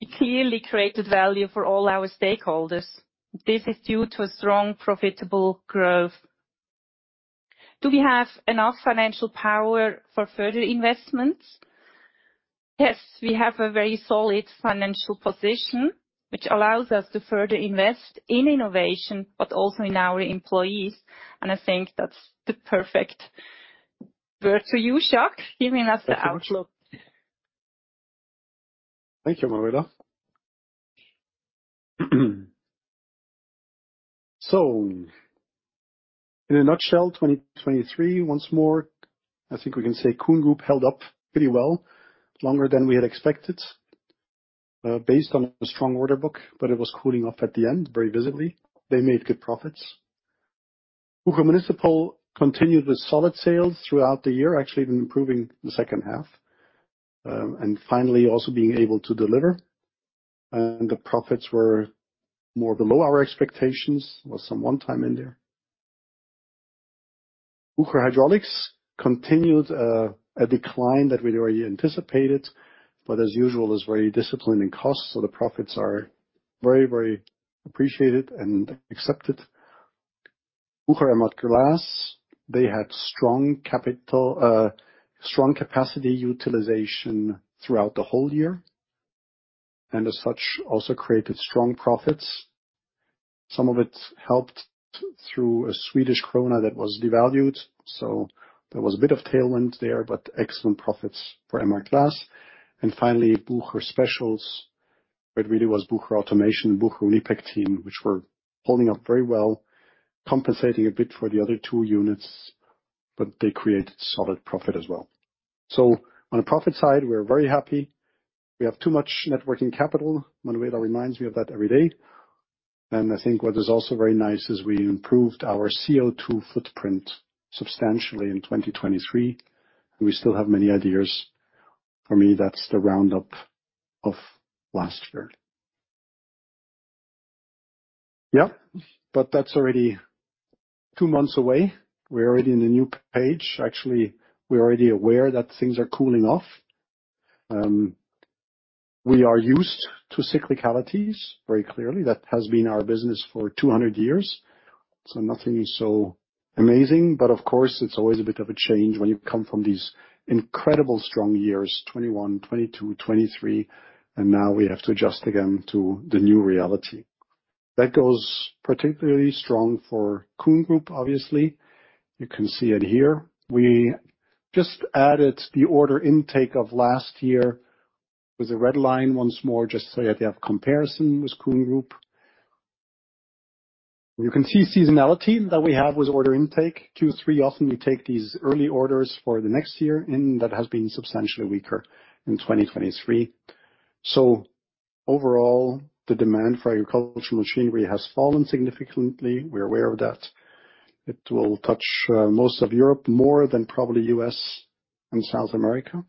we clearly created value for all our stakeholders. This is due to a strong profitable growth. Do we have enough financial power for further investments? Yes, we have a very solid financial position, which allows us to further invest in innovation, but also in our employees. And I think that's the perfect word for you, Jacques, giving us the outlook. Thank you, Manuela. So in a nutshell, 2023, once more, I think we can say KUHN Group held up pretty well, longer than we had expected, based on a strong order book, but it was cooling off at the end, very visibly. They made good profits. Bucher Municipal continued with solid sales throughout the year, actually even improving the second half, and finally also being able to deliver. And the profits were more below our expectations, was some one-time in there. Bucher Hydraulics continued a decline that we'd already anticipated, but as usual, is very disciplined in costs, so the profits are very, very appreciated and accepted. Bucher Emhart Glass, they had strong capital strong capacity utilization throughout the whole year, and as such, also created strong profits. Some of it helped through a Swedish krona that was devalued, so there was a bit of tailwind there, but excellent profits for Emhart Glass. And finally, Bucher Specials, where it really was Bucher Automation and Bucher Unipektin team, which were holding up very well, compensating a bit for the other two units, but they created solid profit as well. So on the profit side, we're very happy. We have too much net working capital. Manuela reminds me of that every day. And I think what is also very nice is we improved our CO2 footprint substantially in 2023, and we still have many ideas. For me, that's the roundup of last year. Yep, but that's already two months away. We're already in a new page. Actually, we're already aware that things are cooling off. We are used to cyclicalities, very clearly. That has been our business for 200 years, so nothing is so amazing. But of course, it's always a bit of a change when you come from these incredible strong years, 2021, 2022, 2023, and now we have to adjust again to the new reality. That goes particularly strong for KUHN Group, obviously. You can see it here. We just added the order intake of last year with a red line once more, just so that you have comparison with KUHN Group. You can see seasonality that we have with order intake. Q3, often we take these early orders for the next year, and that has been substantially weaker in 2023. So overall, the demand for agricultural machinery has fallen significantly. We're aware of that. It will touch most of Europe, more than probably the US and South America.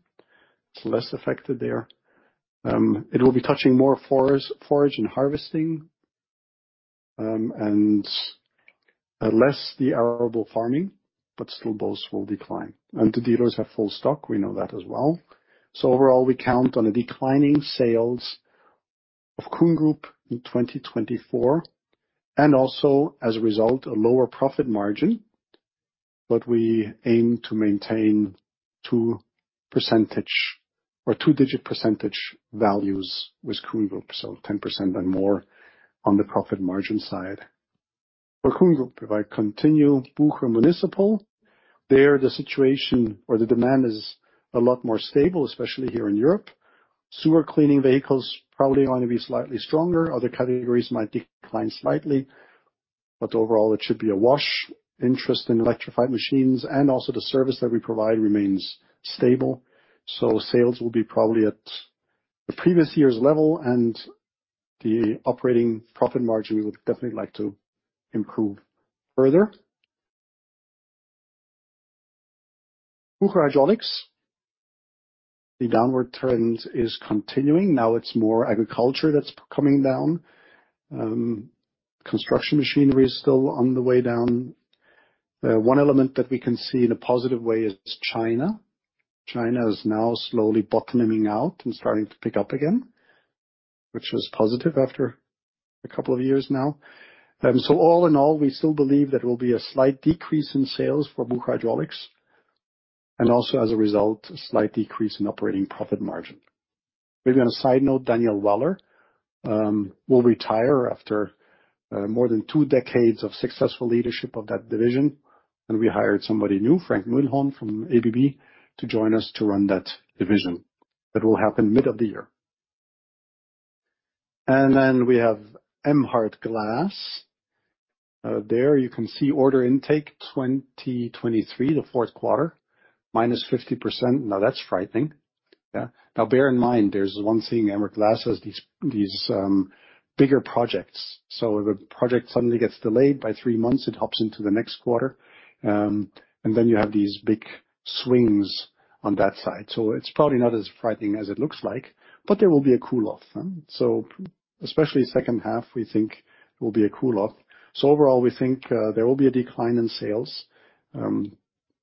It's less affected there. It will be touching more forage and harvesting and less the arable farming, but still both will decline. The dealers have full stock. We know that as well. So overall, we count on a declining sales of KUHN Group in 2024, and also as a result, a lower profit margin, but we aim to maintain two percentage or two-digit percentage values with KUHN Group, so 10% and more on the profit margin side. For KUHN Group, if I continue Bucher Municipal, there the situation or the demand is a lot more stable, especially here in Europe. Sewer cleaning vehicles probably are going to be slightly stronger. Other categories might decline slightly, but overall, it should be a wash. Interest in electrified machines and also the service that we provide remains stable. So sales will be probably at the previous year's level, and the operating profit margin, we would definitely like to improve further. Bucher Hydraulics, the downward trend is continuing. Now it's more agriculture that's coming down. Construction machinery is still on the way down. One element that we can see in a positive way is China. China is now slowly bottoming out and starting to pick up again, which is positive after a couple of years now. So all in all, we still believe that there will be a slight decrease in sales for Bucher Hydraulics, and also as a result, a slight decrease in operating profit margin. Maybe on a side note, Daniel Waller will retire after more than two decades of successful leadership of that division, and we hired somebody new, Frank Mühlon, from ABB to join us to run that division. That will happen mid of the year. And then we have Emhart Glass. There you can see order intake 2023, the fourth quarter, -50%. Now that's frightening. Now bear in mind, there's one thing Emhart Glass has these bigger projects. So if a project suddenly gets delayed by three months, it hops into the next quarter, and then you have these big swings on that side. So it's probably not as frightening as it looks like, but there will be a cool-off. So especially second half, we think it will be a cool-off. So overall, we think there will be a decline in sales.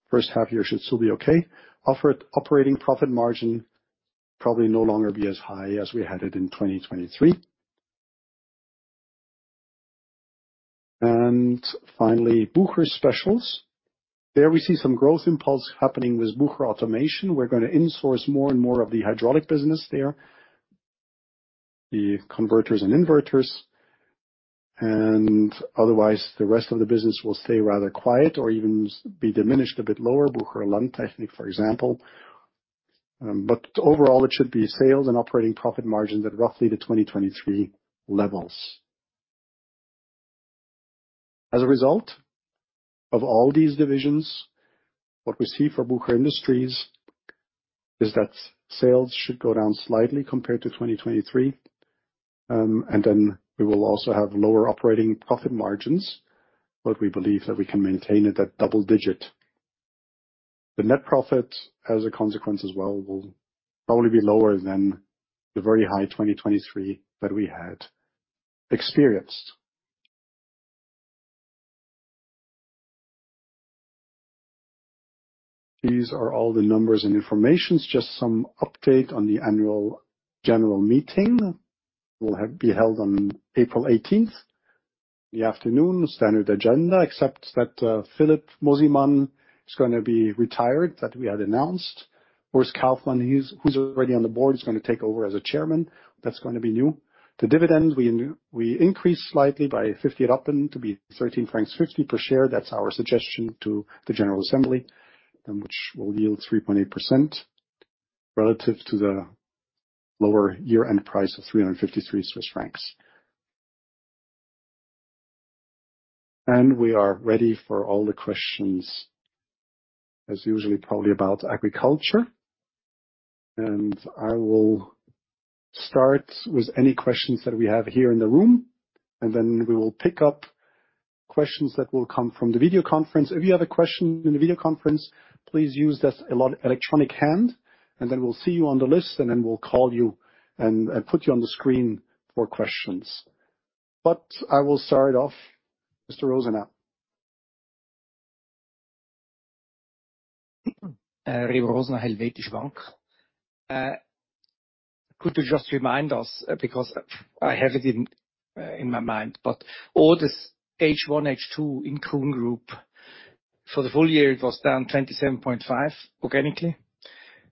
First half year should still be okay. Operating profit margin probably no longer be as high as we had it in 2023. And finally, Bucher Specials. There we see some growth impulse happening with Bucher Automation. We're going to insource more and more of the hydraulic business there, the converters and inverters. And otherwise, the rest of the business will stay rather quiet or even be diminished a bit lower, Bucher Landtechnik, for example. But overall, it should be sales and operating profit margins at roughly the 2023 levels. As a result of all these divisions, what we see for Bucher Industries is that sales should go down slightly compared to 2023. And then we will also have lower operating profit margins, but we believe that we can maintain it at double-digit. The net profit, as a consequence as well, will probably be lower than the very high 2023 that we had experienced. These are all the numbers and information. Just some update on the annual general meeting will be held on April 18th in the afternoon, standard agenda, except that Philip Mosimann is going to be retired, that we had announced. Urs Kaufmann, who's already on the board, is going to take over as Chairman. That's going to be new. The dividend, we increase slightly by 50. Up and to be 13.50 francs per share. That's our suggestion to the general assembly, which will yield 3.8% relative to the lower year-end price of CHF 353. And we are ready for all the questions, as usual, probably about agriculture. And I will start with any questions that we have here in the room, and then we will pick up questions that will come from the video conference. If you have a question in the video conference, please use this electronic hand, and then we'll see you on the list, and then we'll call you and put you on the screen for questions. But I will start off, Mr. Rosenau. Remo Rosenau, Helvetische Bank. Could you just remind us, because I have it in my mind, but all this H1, H2 in KUHN Group, for the full year, it was down 27.5% organically.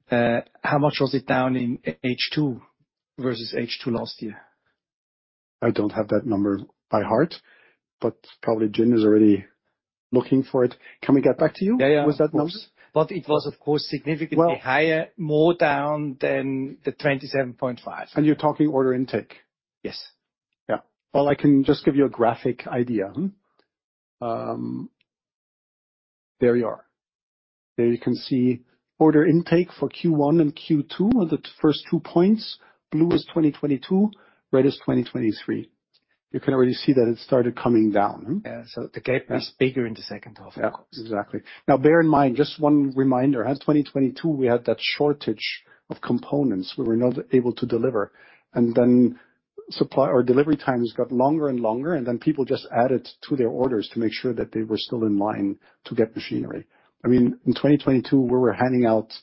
How much was it down in H2 versus H2 last year? I don't have that number by heart, but probably Gin is already looking for it. Can we get back to you with that number? Yeah, yeah. But it was, of course, significantly higher, more down than the 27.5%. And you're talking order intake? Yes. Yeah. Well, I can just give you a graphic idea. There you are. There you can see order intake for Q1 and Q2, the first two points. Blue is 2022, red is 2023. You can already see that it started coming down. Yeah, so the gap is bigger in the second half, of course. Yeah, exactly. Now, bear in mind, just one reminder, 2022, we had that shortage of components. We were not able to deliver. And then delivery times got longer and longer, and then people just added to their orders to make sure that they were still in line to get machinery. I mean, in 2022, we were handing out,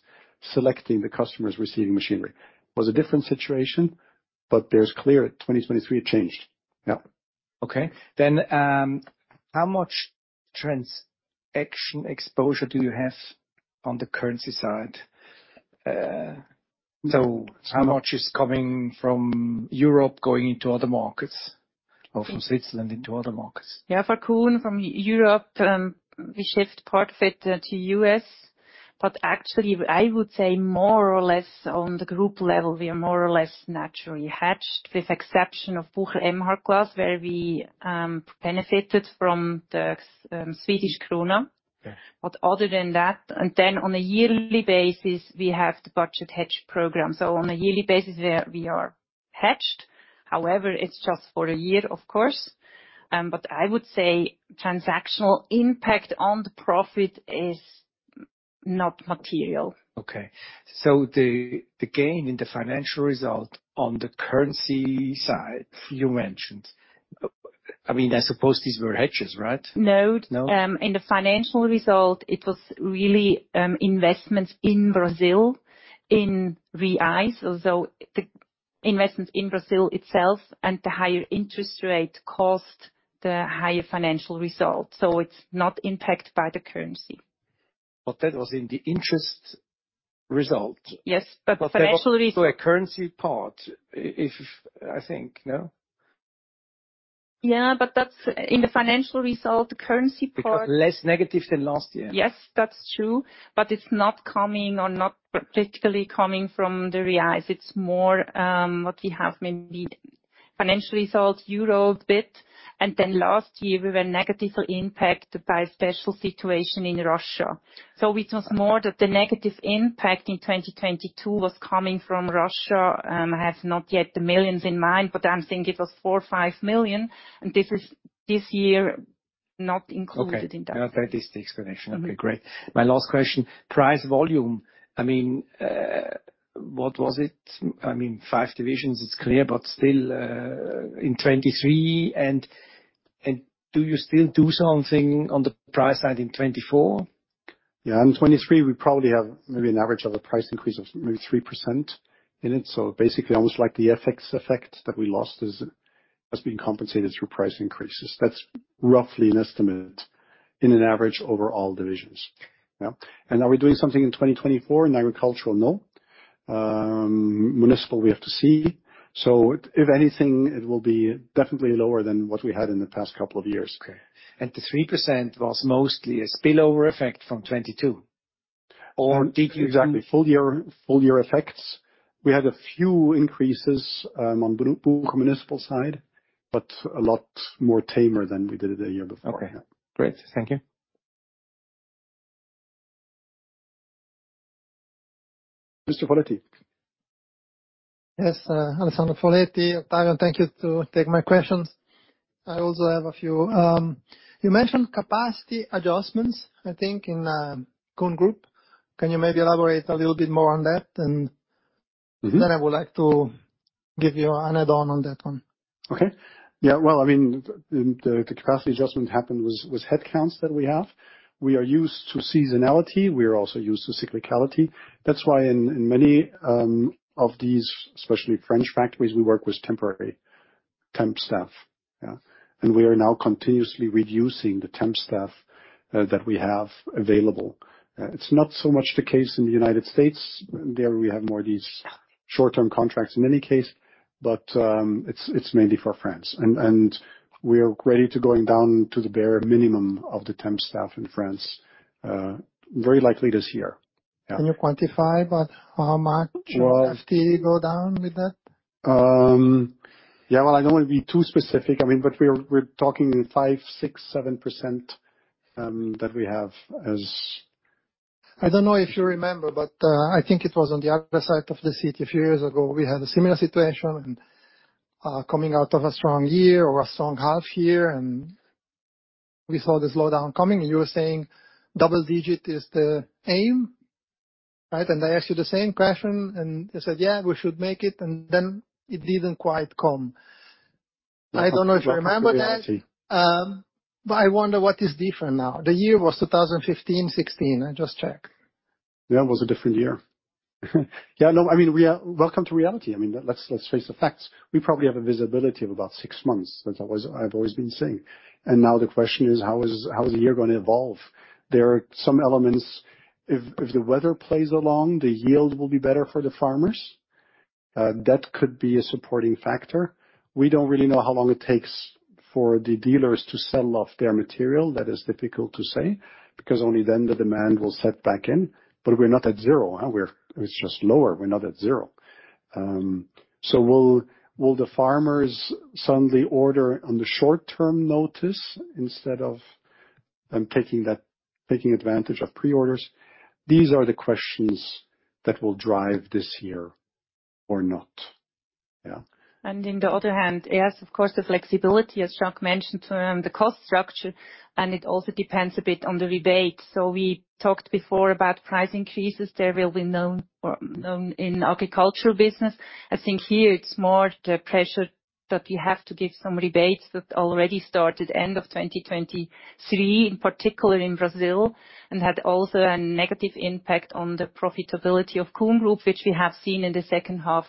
selecting the customers receiving machinery. It was a different situation, but it's clear that 2023, it changed. Yeah. Okay. Then how much transaction exposure do you have on the currency side? So how much is coming from Europe going into other markets, or from Switzerland into other markets? Yeah, for KUHN, from Europe, we shift part of it to the US. But actually, I would say more or less on the group level, we are more or less naturally hedged, with the exception of Bucher Emhart Glass, where we benefited from the Swedish Krona. But other than that. And then on a yearly basis, we have the budget hedge program. So on a yearly basis, we are hedged. However, it's just for a year, of course. But I would say transactional impact on the profit is not material. Okay. So the gain in the financial result on the currency side you mentioned—I mean, I suppose these were hedges, right? No. In the financial result, it was really investments in Brazil in reais. So the investments in Brazil itself and the higher interest rate caused the higher financial result. So it's not impacted by the currency. But that was in the interest result? Yes, but financial result. So a currency part, I think, no? Yeah, but that's in the financial result, the currency part. Because less negative than last year? Yes, that's true. But it's not coming or not particularly coming from the reais. It's more what we have, maybe financial result, Euro debt. And then last year, we were negatively impacted by a special situation in Russia. So it was more that the negative impact in 2022 was coming from Russia. I have not yet the millions in mind, but I'm thinking it was 4 million-5 million. And this year not included in that. Okay. That is the explanation. Okay, great. My last question, price volume. I mean, what was it? I mean, five divisions, it's clear, but still in 2023. And do you still do something on the price side in 2024? Yeah, in 2023, we probably have maybe an average of a price increase of maybe 3% in it. So basically, almost like the FX effect that we lost has been compensated through price increases. That's roughly an estimate in an average over all divisions. And are we doing something in 2024 in agriculture? No. Municipal, we have to see. So if anything, it will be definitely lower than what we had in the past couple of years. Okay. And the 3% was mostly a spillover effect from 2022? Or did you? Exactly, full-year effects. We had a few increases on Bucher Municipal side, but a lot more tamer than we did the year before. Okay. Great. Thank you. Mr. Foletti? Yes, Alessandro Foletti. Thank you to take my questions. I also have a few. You mentioned capacity adjustments, I think, in KUHN Group. Can you maybe elaborate a little bit more on that? And then I would like to give you an add-on on that one. Okay. Yeah, well, I mean, the capacity adjustment happened with headcounts that we have. We are used to seasonality. We are also used to cyclicality. That's why in many of these, especially French factories, we work with temporary temp staff. We are now continuously reducing the temp staff that we have available. It's not so much the case in the United States. There we have more of these short-term contracts in any case, but it's mainly for France. We are ready to go down to the bare minimum of the temp staff in France, very likely this year. Can you quantify about how much FTE go down with that? Yeah, well, I don't want to be too specific. I mean, but we're talking 5%, 6%, 7% that we have as. I don't know if you remember, but I think it was on the other side of the seat. A few years ago, we had a similar situation coming out of a strong year or a strong half year, and we saw this lowdown coming. You were saying double-digit is the aim, right? And I asked you the same question, and you said, "Yeah, we should make it." And then it didn't quite come. I don't know if you remember that. But I wonder what is different now. The year was 2015, 2016. I just checked. Yeah, it was a different year. Yeah, no, I mean, welcome to reality. I mean, let's face the facts. We probably have a visibility of about six months, as I've always been saying. And now the question is, how is the year going to evolve? There are some elements. If the weather plays along, the yield will be better for the farmers. That could be a supporting factor. We don't really know how long it takes for the dealers to sell off their material. That is difficult to say because only then the demand will set back in. But we're not at zero. It's just lower. We're not at zero. So will the farmers suddenly order on the short-term notice instead of taking advantage of pre-orders? These are the questions that will drive this year or not. Yeah. And on the other hand, yes, of course, the flexibility, as Jacques mentioned, the cost structure, and it also depends a bit on the rebate. So we talked before about price increases. There will be none in agricultural business. I think here, it's more the pressure that we have to give some rebates that already started end of 2023, in particular in Brazil, and had also a negative impact on the profitability of Kuhn Group, which we have seen in the second half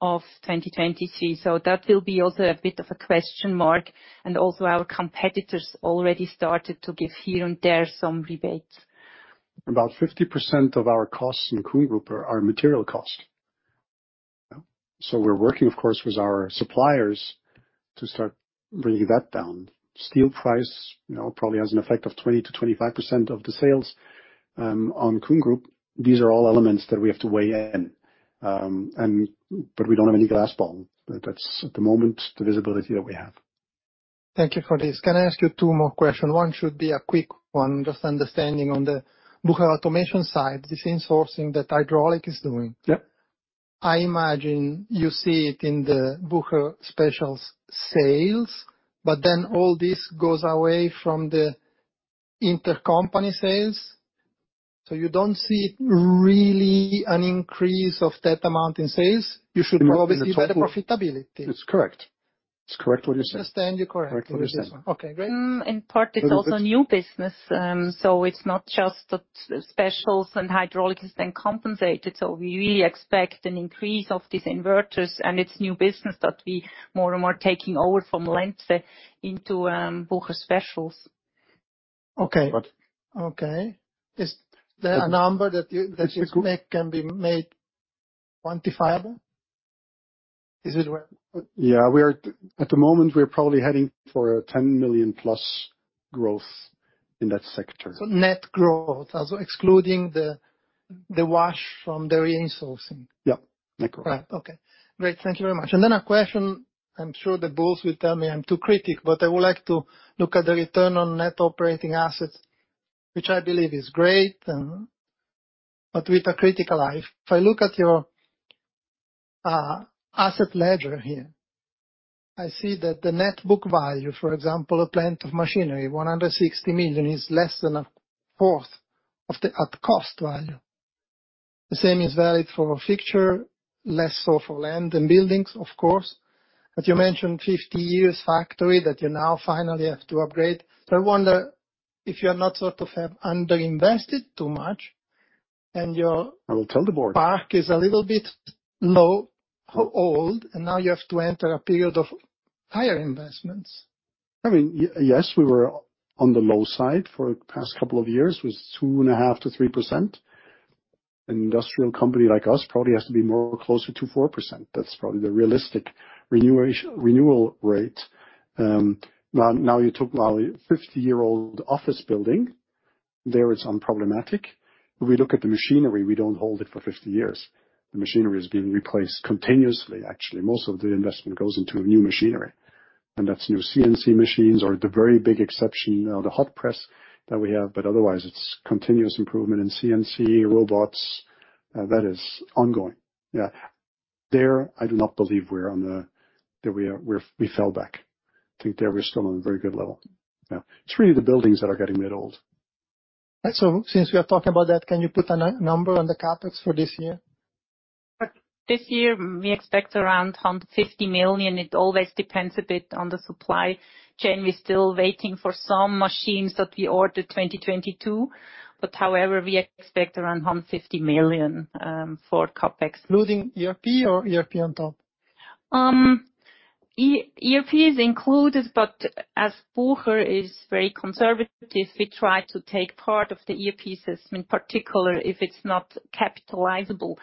of 2023. So that will be also a bit of a question mark. And also our competitors already started to give here and there some rebates. About 50% of our costs in KUHN Group are material costs. So we're working, of course, with our suppliers to start bringing that down. Steel price probably has an effect of 20%-25% of the sales on KUHN Group. These are all elements that we have to weigh in. But we don't have any crystal ball. That's, at the moment, the visibility that we have. Thank you for this. Can I ask you two more questions? One should be a quick one, just understanding on the Bucher Automation side, this insourcing that Hydraulics is doing. I imagine you see it in the Bucher Specials sales, but then all this goes away from the intercompany sales. So you don't see really an increase of that amount in sales. You should probably see better profitability. It's correct. It's correct what you said. I understand you correctly on this one. Okay, great. In part, it's also new business. So it's not just that Specials and Hydraulics is then compensated. So we really expect an increase of these inverters. And it's new business that we're more and more taking over from Lenze into Bucher Specials. Okay. Okay. Is there a number that you can be made quantifiable? Is it? Yeah, at the moment, we're probably heading for a 10 million-plus growth in that sector. So net growth, also excluding the wash from the re-insourcing? Yep, net growth. Right. Okay. Great. Thank you very much. And then a question. I'm sure the bulls will tell me I'm too critical, but I would like to look at the return on Net Operating Assets, which I believe is great, but with a critical eye. If I look at your asset ledger here, I see that the net book value, for example, plant and machinery, 160 million is less than a fourth at cost value. The same is valid for fixtures, less so for land and buildings, of course. But you mentioned 50-year factory that you now finally have to upgrade. So I wonder if you are not sort of underinvested too much and your CapEx is a little bit low, old, and now you have to enter a period of higher investments. I mean, yes, we were on the low side for the past couple of years with 2.5%-3%. An industrial company like us probably has to be more closer to 4%. That's probably the realistic renewal rate. Now you took a 50-year-old office building. There, it's unproblematic. If we look at the machinery, we don't hold it for 50 years. The machinery is being replaced continuously, actually. Most of the investment goes into new machinery. And that's new CNC machines or the very big exception, the hot press that we have. But otherwise, it's continuous improvement in CNC robots. That is ongoing. Yeah. There, I do not believe we're on the that we fell back. I think there we're still on a very good level. It's really the buildings that are getting a bit old. So since we are talking about that, can you put a number on the CapEx for this year? This year, we expect around 150 million. It always depends a bit on the supply chain. We're still waiting for some machines that we ordered 2022. But however, we expect around 150 million for CapEx. Including ERP or ERP on top? ERP is included, but as Bucher is very conservative, we try to take part of the ERP assessment, particularly if it's not capitalizable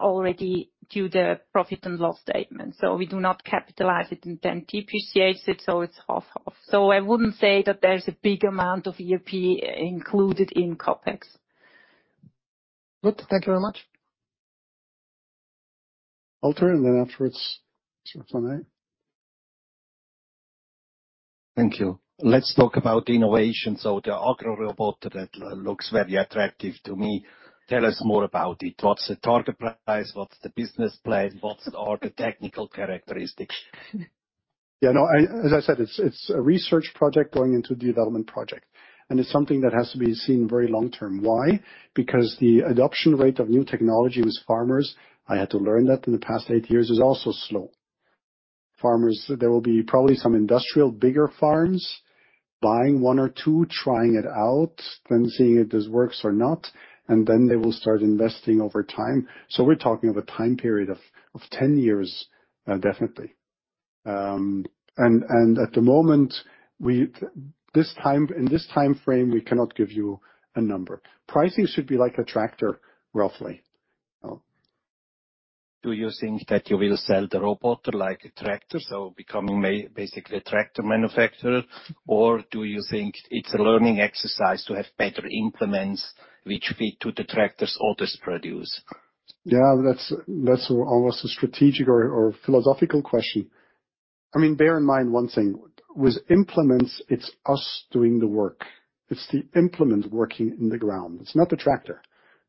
already due to the profit and loss statement. So we do not capitalize it and then depreciate it. So it's half-half. So I wouldn't say that there's a big amount of ERP included in CapEx. Good. Thank you very much. Alexander, and then afterwards, it's your turn, right? Thank you. Let's talk about innovation. So the agro robot that looks very attractive to me. Tell us more about it. What's the target price? What's the business plan? What are the technical characteristics? Yeah, no, as I said, it's a research project going into development project. And it's something that has to be seen very long-term. Why? Because the adoption rate of new technology with farmers - I had to learn that in the past eight years - is also slow. There will be probably some industrial, bigger farms buying one or two, trying it out, then seeing if this works or not. And then they will start investing over time. So we're talking of a time period of 10 years, definitely. And at the moment, in this time frame, we cannot give you a number. Pricing should be like a tractor, roughly. Do you think that you will sell the robot like a tractor, so becoming basically a tractor manufacturer? Or do you think it's a learning exercise to have better implements which fit to the tractors others produce? Yeah, that's almost a strategic or philosophical question. I mean, bear in mind one thing. With implements, it's us doing the work. It's the implement working in the ground. It's not the tractor.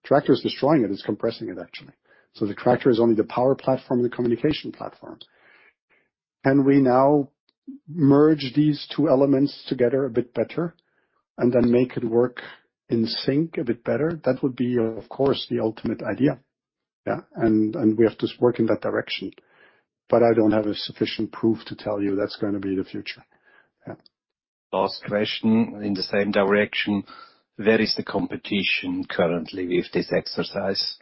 Tractor is destroying it. It's compressing it, actually. So the tractor is only the power platform and the communication platform. Can we now merge these two elements together a bit better and then make it work in sync a bit better? That would be, of course, the ultimate idea. And we have to work in that direction. But I don't have sufficient proof to tell you that's going to be the future. Last question in the same direction. Where is the competition currently with this exercise?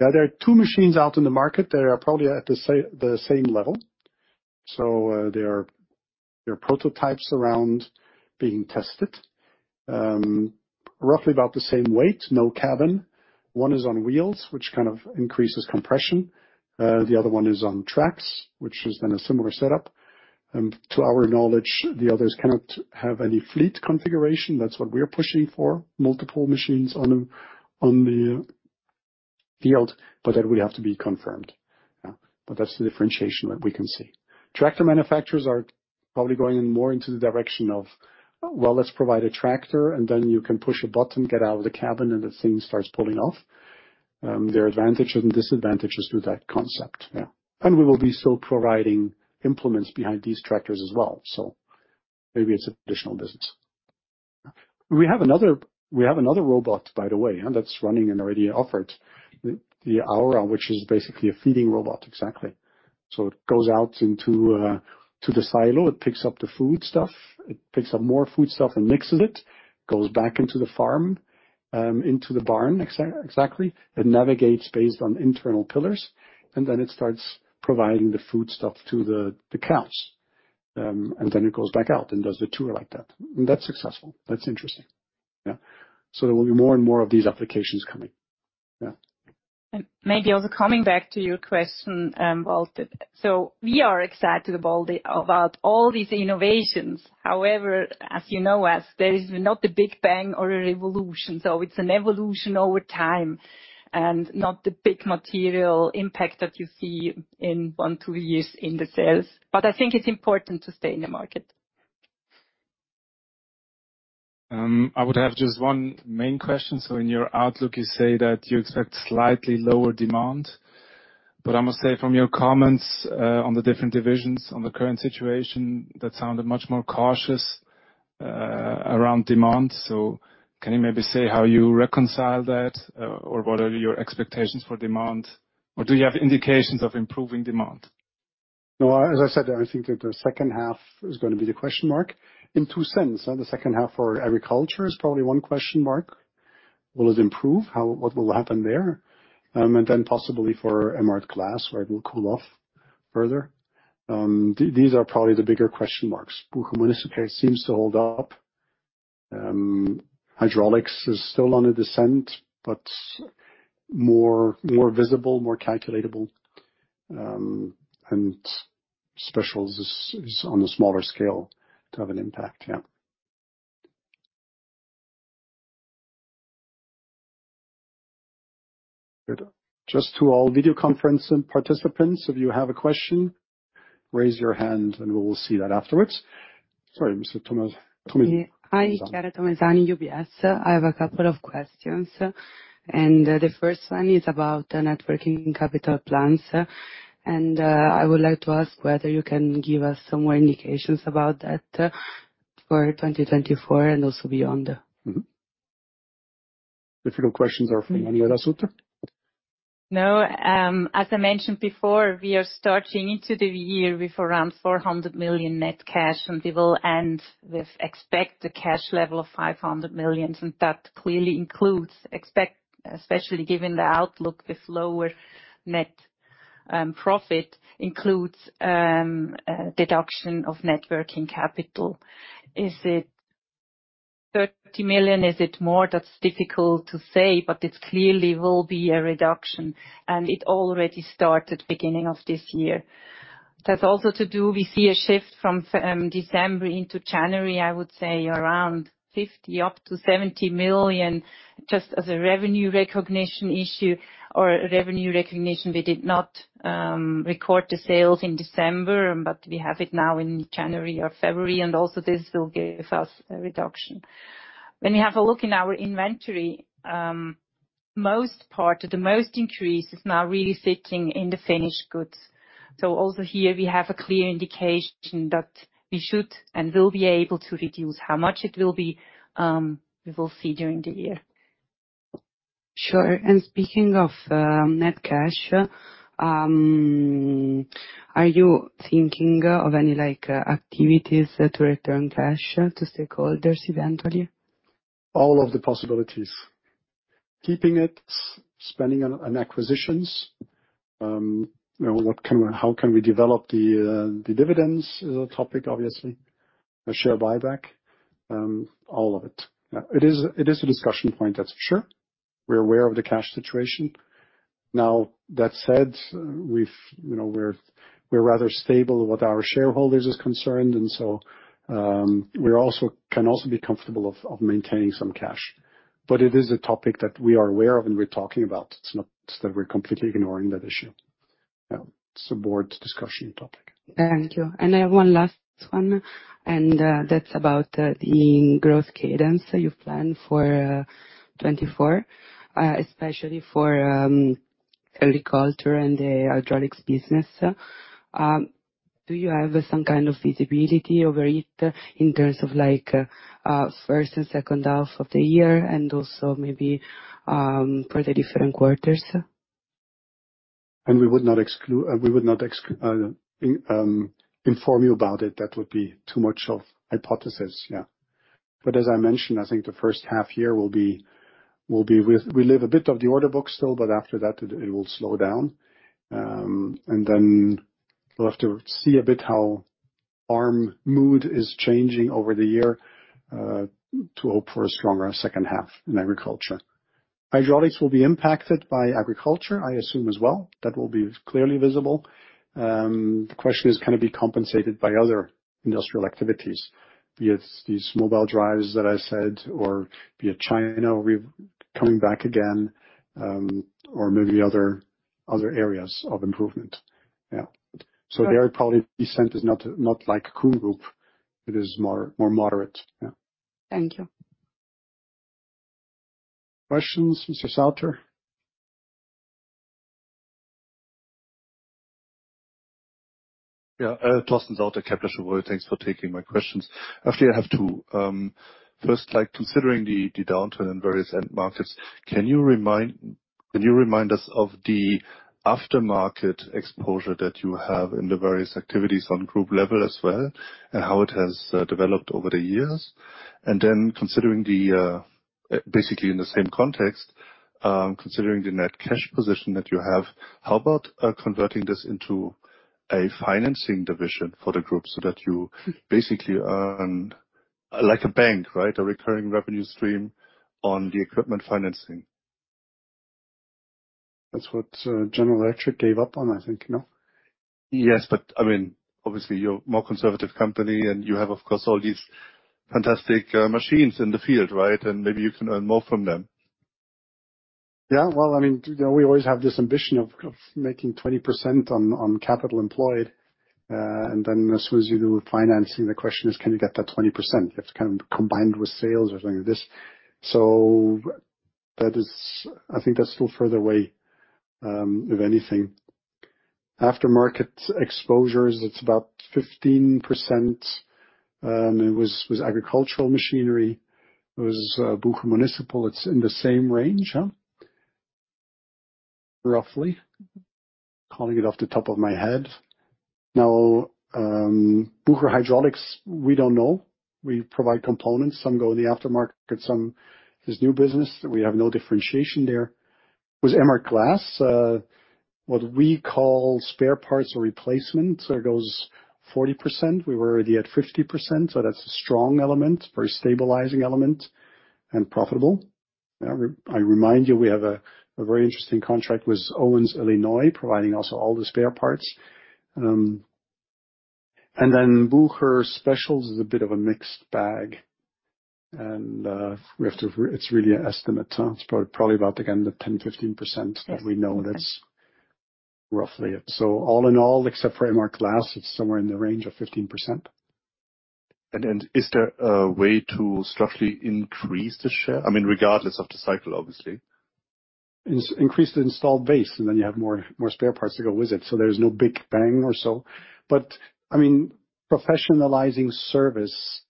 Yeah, there are two machines out in the market that are probably at the same level. So there are prototypes around being tested, roughly about the same weight, no cabin. One is on wheels, which kind of increases compression. The other one is on tracks, which is then a similar setup. To our knowledge, the others cannot have any fleet configuration. That's what we're pushing for, multiple machines on the field, but that would have to be confirmed. But that's the differentiation that we can see. Tractor manufacturers are probably going more into the direction of, "Well, let's provide a tractor, and then you can push a button, get out of the cabin, and the thing starts pulling off." Their advantages and disadvantages to that concept. We will be still providing implements behind these tractors as well. Maybe it's additional business. We have another robot, by the way, that's running and already offered, the Aura, which is basically a feeding robot, exactly. So it goes out into the silo. It picks up the food stuff. It picks up more food stuff and mixes it, goes back into the farm, into the barn, exactly, and navigates based on internal pillars. And then it starts providing the food stuff to the cows. And then it goes back out and does the tour like that. And that's successful. That's interesting. So there will be more and more of these applications coming. Yeah. Maybe also coming back to your question, Walter. So we are excited about all these innovations. However, as you know us, there is not the big bang or a revolution. So it's an evolution over time and not the big material impact that you see in one, two years in the sales. But I think it's important to stay in the market. I would have just one main question. So in your outlook, you say that you expect slightly lower demand. But I must say, from your comments on the different divisions, on the current situation, that sounded much more cautious around demand. So can you maybe say how you reconcile that, or what are your expectations for demand? Or do you have indications of improving demand? No, as I said, I think that the second half is going to be the question mark. In two senses. The second half for agriculture is probably one question mark. Will it improve? What will happen there? And then possibly for Emhart Glass, where it will cool off further. These are probably the bigger question marks. Bucher Municipal seems to hold up. Hydraulics is still on a descent, but more visible, more calculatable. And Specials is on a smaller scale to have an impact. Yeah. Good. Just to all video conference participants, if you have a question, raise your hand, and we will see that afterwards. Sorry, Mrs. Tomesani. Hi, Chiara Tomesani, UBS. I have a couple of questions. The first one is about net working capital plans. I would like to ask whether you can give us some more indications about that for 2024 and also beyond. Difficult questions are from any of us, Suter? No. As I mentioned before, we are starting into the year with around 400 million net cash, and we expect to end with the cash level of 500 million. And that clearly includes, especially given the outlook with lower net profit, includes deduction of net working capital. Is it 30 million? Is it more? That's difficult to say, but it clearly will be a reduction. And it already started beginning of this year. That's also due to we see a shift from December into January, I would say, around 50 million-70 million just as a revenue recognition issue or revenue recognition. We did not record the sales in December, but we have it now in January or February. And also this will give us a reduction. When you have a look in our inventory, the most increase is now really sitting in the finished goods. So also here, we have a clear indication that we should and will be able to reduce. How much it will be, we will see during the year. Sure. And speaking of net cash, are you thinking of any activities to return cash to stakeholders, eventually? All of the possibilities. Keeping it, spending on acquisitions. How can we develop the dividends is a topic, obviously, a share buyback, all of it. It is a discussion point, that's for sure. We're aware of the cash situation. Now, that said, we're rather stable what our shareholders are concerned. And so we can also be comfortable of maintaining some cash. But it is a topic that we are aware of and we're talking about. It's not that we're completely ignoring that issue. It's a board discussion topic. Thank you. And I have one last one, and that's about the growth cadence you plan for 2024, especially for agriculture and the hydraulics business. Do you have some kind of visibility over it in terms of first and second half of the year and also maybe for the different quarters? And we would not inform you about it. That would be too much of hypothesis. Yeah. But as I mentioned, I think the first half year will be we live a bit of the order book still, but after that, it will slow down. Then we'll have to see a bit how farm mood is changing over the year to hope for a stronger second half in agriculture. Hydraulics will be impacted by agriculture, I assume as well. That will be clearly visible. The question is, can it be compensated by other industrial activities, be it these mobile drives that I said or be it China coming back again or maybe other areas of improvement? Yeah. So their probable descent is not like KUHN Group. It is more moderate. Yeah. Thank you. Questions? Mr. Sauter? Yeah. Torsten Sauter, Kepler Cheuvreux. Thanks for taking my questions. Actually, I have two. First, considering the downturn in various end markets, can you remind us of the aftermarket exposure that you have in the various activities on group level as well and how it has developed over the years? And then considering the basically in the same context, considering the net cash position that you have, how about converting this into a financing division for the group so that you basically earn like a bank, right, a recurring revenue stream on the equipment financing? That's what General Electric gave up on, I think. No? Yes. But I mean, obviously, you're a more conservative company, and you have, of course, all these fantastic machines in the field, right? And maybe you can earn more from them. Yeah. Well, I mean, we always have this ambition of making 20% on capital employed. And then as soon as you do financing, the question is, can you get that 20%? You have to kind of combine it with sales or something like this. So I think that's still further away, if anything. Aftermarket exposures, it's about 15%. It was agricultural machinery. It was Bucher Municipal. It's in the same range, roughly, calling it off the top of my head. Now, Bucher Hydraulics, we don't know. We provide components. Some go in the aftermarket. Some is new business. We have no differentiation there. With Emhart Glass, what we call spare parts or replacements, there goes 40%. We were already at 50%. So that's a strong element, very stabilizing element, and profitable. I remind you, we have a very interesting contract with Owens-Illinois, providing also all the spare parts. And then Bucher Specials is a bit of a mixed bag. And it's really an estimate. It's probably about, again, the 10%-15% that we know. That's roughly it. So all in all, except for Emhart Glass, it's somewhere in the range of 15%. And is there a way to structurally increase the share? I mean, regardless of the cycle, obviously. Increase the installed base, and then you have more spare parts to go with it. So there's no big bang or so. But I mean, professionalizing service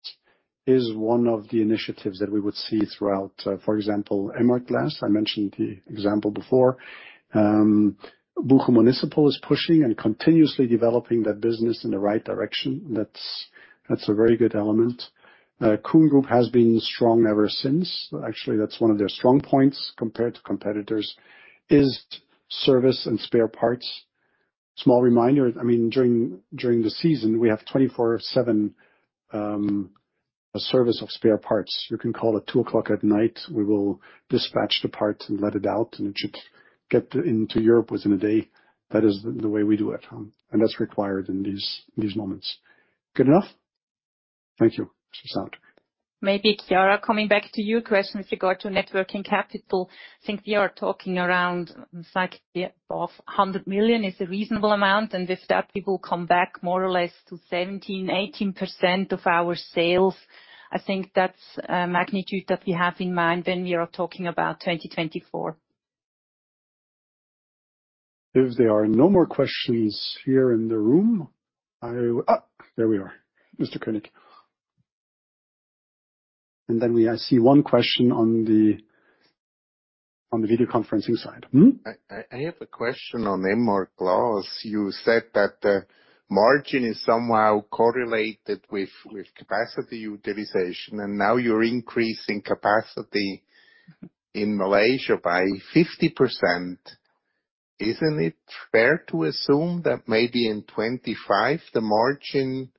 is one of the initiatives that we would see throughout. For example, Emhart Glass, I mentioned the example before. Bucher Municipal is pushing and continuously developing that business in the right direction. That's a very good element. KUHN Group has been strong ever since. Actually, that's one of their strong points compared to competitors, is service and spare parts. Small reminder, I mean, during the season, we have 24/7 service of spare parts. You can call at 2 o'clock at night. We will dispatch the part and let it out, and it should get into Europe within a day. That is the way we do it. And that's required in these moments. Good enough? Thank you, Mrs. Sauter. Maybe Chiara, coming back to your question with regard to net working capital. I think we are talking around slightly above 100 million. It's a reasonable amount. And if that will come back more or less to 17%-18% of our sales, I think that's a magnitude that we have in mind when we are talking about 2024. If there are no more questions here in the room, there we are, Mr. König. And then I see one question on the video conferencing side. I have a question on Emhart Glass. You said that the margin is somehow correlated with capacity utilization, and now you're increasing capacity in Malaysia by 50%. Isn't it fair to assume that maybe in 2025, the margin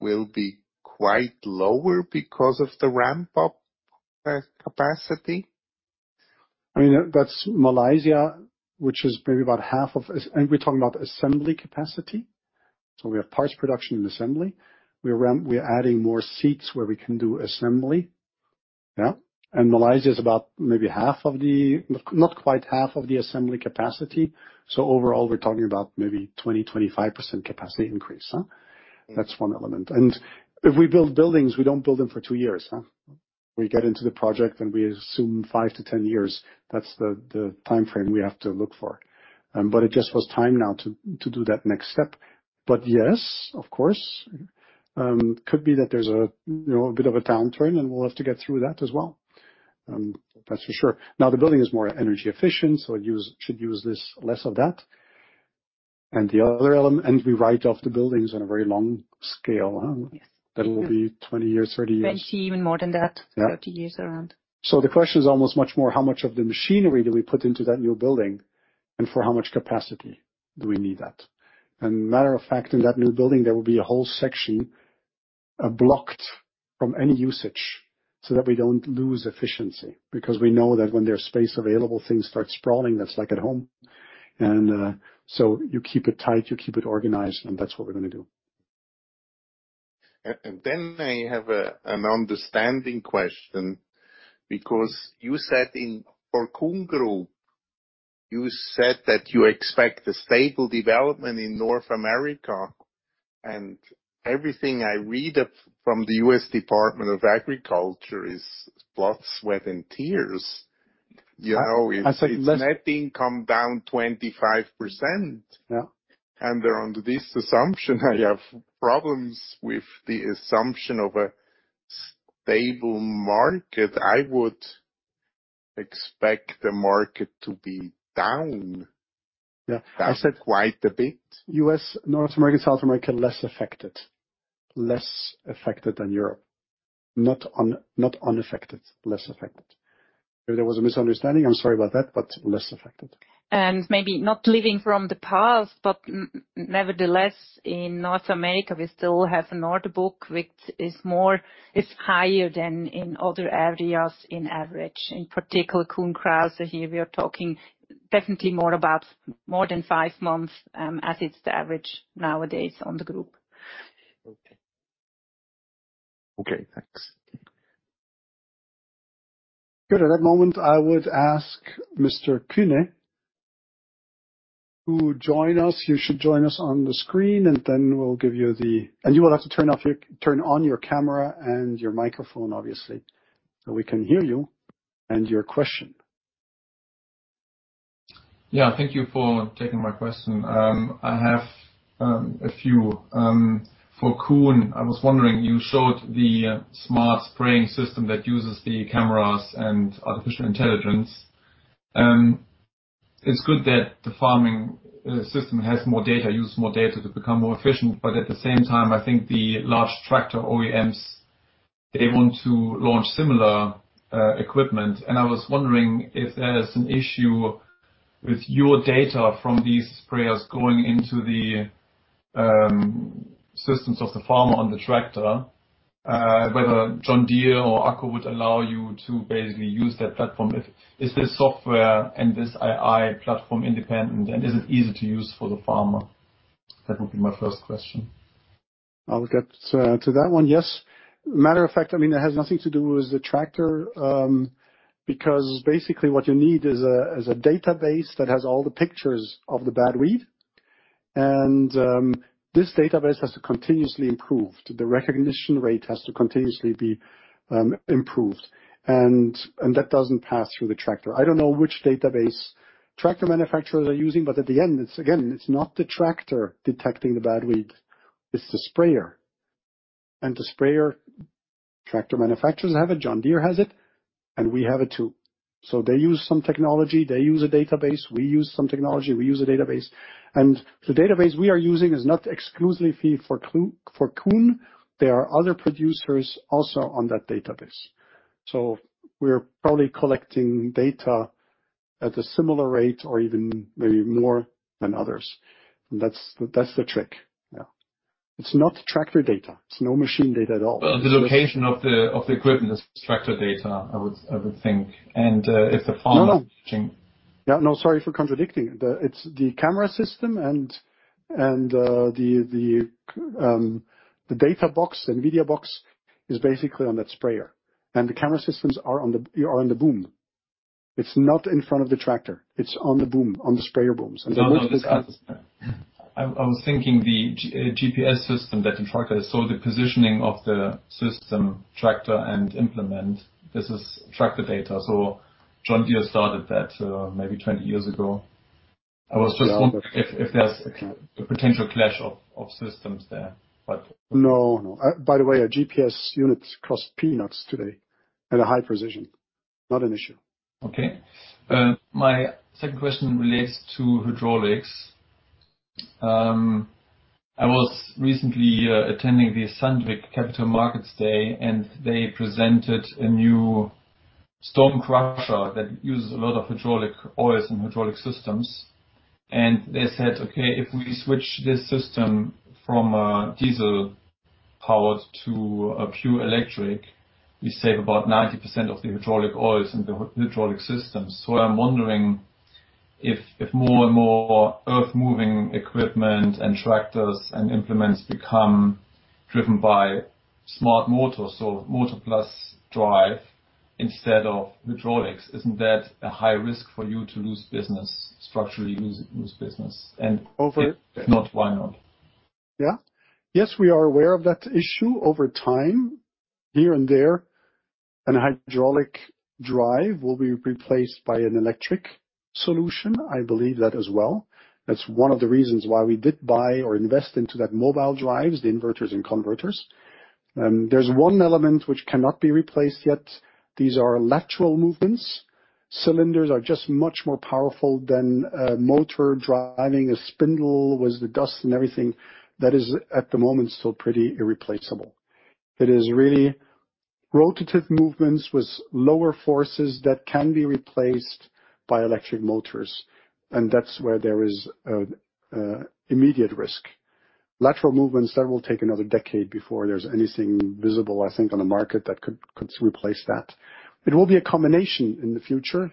will be quite lower because of the ramp-up capacity? I mean, that's Malaysia, which is maybe about half of and we're talking about assembly capacity. So we have parts production and assembly. We're adding more seats where we can do assembly. Yeah. And Malaysia is about maybe half of, not quite half of, the assembly capacity. So overall, we're talking about maybe 20%-25% capacity increase. That's one element. And if we build buildings, we don't build them for 2 years. We get into the project, and we assume 5-10 years. That's the time frame we have to look for. But it just was time now to do that next step. But yes, of course, could be that there's a bit of a downturn, and we'll have to get through that as well. That's for sure. Now, the building is more energy efficient, so it should use less of that. And the other element, and we write off the buildings on a very long scale. That will be 20 years, 30 years. 20, even more than that, 30 years around. So the question is almost much more, how much of the machinery do we put into that new building, and for how much capacity do we need that? And matter of fact, in that new building, there will be a whole section blocked from any usage so that we don't lose efficiency because we know that when there's space available, things start sprawling. That's like at home. And so you keep it tight. You keep it organized. And that's what we're going to do. And then I have an understanding question because you said in for KUHN Group, you said that you expect a stable development in North America. And everything I read from the U.S. Department of Agriculture is blood, sweat, and tears. If net income down 25%, and they're under this assumption, I have problems with the assumption of a stable market. I would expect the market to be down quite a bit. U.S., North America, South America less affected, less affected than Europe. Not unaffected, less affected. If there was a misunderstanding, I'm sorry about that, but less affected. And maybe not living from the past, but nevertheless, in North America, we still have an order book which is higher than in other areas, in average. In particular, Kuhn Krause. Here, we are talking definitely more than five months as it's the average nowadays on the group. Okay. Okay. Thanks. Good. At that moment, I would ask Mr. König to join us. You should join us on the screen, and then we'll give you the and you will have to turn on your camera and your microphone, obviously, so we can hear you and your question. Yeah. Thank you for taking my question. I have a few. For Kuhn, I was wondering, you showed the smart spraying system that uses the cameras and artificial intelligence. It's good that the farming system has more data, uses more data to become more efficient. But at the same time, I think the large tractor OEMs, they want to launch similar equipment. And I was wondering if there is an issue with your data from these sprayers going into the systems of the farmer on the tractor, whether John Deere or AGCO would allow you to basically use that platform. Is this software and this AI platform independent, and is it easy to use for the farmer? That would be my first question. To that one, yes. Matter of fact, I mean, it has nothing to do with the tractor because basically, what you need is a database that has all the pictures of the bad weed. And this database has to continuously improve. The recognition rate has to continuously be improved. And that doesn't pass through the tractor. I don't know which database tractor manufacturers are using, but at the end, again, it's not the tractor detecting the bad weed. It's the sprayer. And the sprayer tractor manufacturers have it. John Deere has it. And we have it too. So they use some technology. They use a database. We use some technology. We use a database. And the database we are using is not exclusively for KUHN. There are other producers also on that database. So we're probably collecting data at a similar rate or even maybe more than others. And that's the trick. Yeah. It's not tractor data. It's no machine data at all. Well, the location of the equipment is tractor data, I would think. And if the farmer is switching. No, no. Yeah. No, sorry for contradicting. It's the camera system, and the data box, the NVIDIA box, is basically on that sprayer. And the camera systems are on the boom. It's not in front of the tractor. It's on the boom, on the sprayer booms. No, no. I was thinking the GPS system that the tractor is, so the positioning of the system, tractor, and implement; this is tractor data. So John Deere started that maybe 20 years ago. I was just wondering if there's a potential clash of systems there, but no, no. By the way, our GPS units cost peanuts today at a high precision. Not an issue. Okay. My second question relates to hydraulics. I was recently attending the Sandvik Capital Markets Day, and they presented a new stone crusher that uses a lot of hydraulic oils and hydraulic systems. And they said, "Okay, if we switch this system from diesel-powered to pure electric, we save about 90% of the hydraulic oils in the hydraulic systems." So I'm wondering if more and more earth-moving equipment and tractors and implements become driven by smart motors, so motor-plus drive instead of hydraulics, isn't that a high risk for you to lose business, structurally lose business? And if not, why not? Yeah. Yes, we are aware of that issue over time here and there. Hydraulic drive will be replaced by an electric solution. I believe that as well. That's one of the reasons why we did buy or invest into that mobile drives, the inverters and converters. There's one element which cannot be replaced yet. These are lateral movements. Cylinders are just much more powerful than motor driving a spindle with the dust and everything. That is, at the moment, still pretty irreplaceable. It is really rotative movements with lower forces that can be replaced by electric motors. And that's where there is an immediate risk. Lateral movements, that will take another decade before there's anything visible, I think, on the market that could replace that. It will be a combination in the future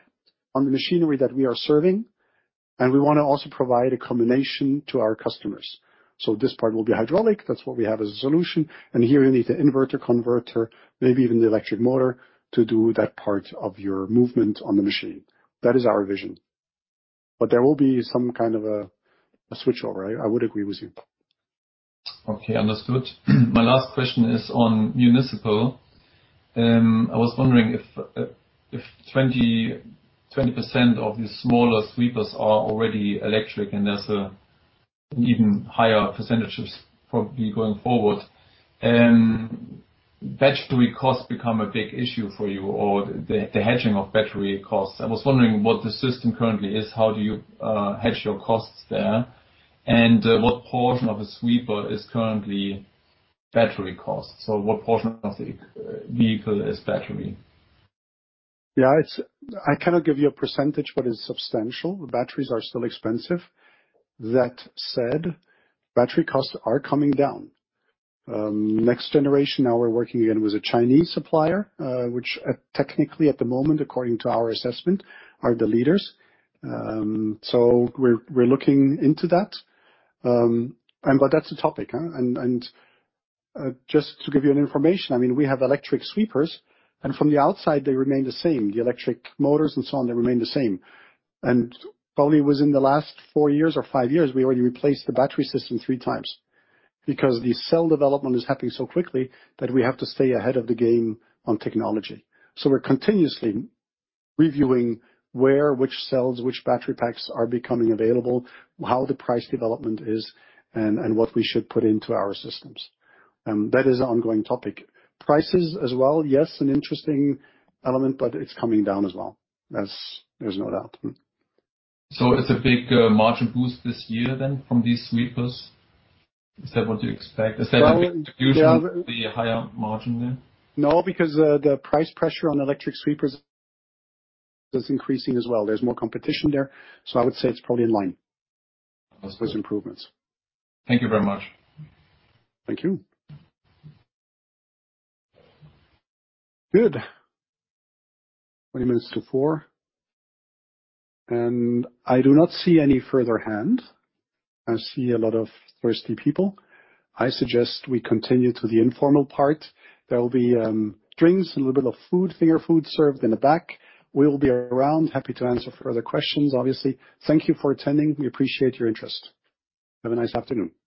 on the machinery that we are serving. And we want to also provide a combination to our customers. So this part will be hydraulic. That's what we have as a solution. And here, you need the inverter, converter, maybe even the electric motor to do that part of your movement on the machine. That is our vision. But there will be some kind of a sw itchover. I would agree with you. Okay. Understood. My last question is on municipal. I was wondering if 20% of the smaller sweepers are already electric, and there's an even higher percentage probably going forward. Battery costs become a big issue for you or the hedging of battery costs. I was wondering what the system currently is. How do you hedge your costs there? And what portion of a sweeper is currently battery cost? So what portion of the vehicle is battery? Yeah. I cannot give you a percentage, but it's substantial. The batteries are still expensive. That said, battery costs are coming down. Next generation, now we're working again with a Chinese supplier, which technically, at the moment, according to our assessment, are the leaders. So we're looking into that. But that's a topic. Just to give you an information, I mean, we have electric sweepers. From the outside, they remain the same. The electric motors and so on, they remain the same. Probably within the last four years or five years, we already replaced the battery system three times because the cell development is happening so quickly that we have to stay ahead of the game on technology. So we're continuously reviewing where, which cells, which battery packs are becoming available, how the price development is, and what we should put into our systems. That is an ongoing topic. Prices as well, yes, an interesting element, but it's coming down as well. There's no doubt. So it's a big margin boost this year then from these sweepers. Is that what you expect? Is that a big contribution, the higher margin there? No, because the price pressure on electric sweepers is increasing as well. There's more competition there. So I would say it's probably in line with improvements. Thank you very much. Thank you. Good. 20 minutes to 4:00 P.M. And I do not see any further hand. I see a lot of thirsty people. I suggest we continue to the informal part. There will be drinks, a little bit of food, finger food served in the back. We will be around, happy to answer further questions, obviously. Thank you for attending. We appreciate your interest. Have a nice afternoon. Thank you.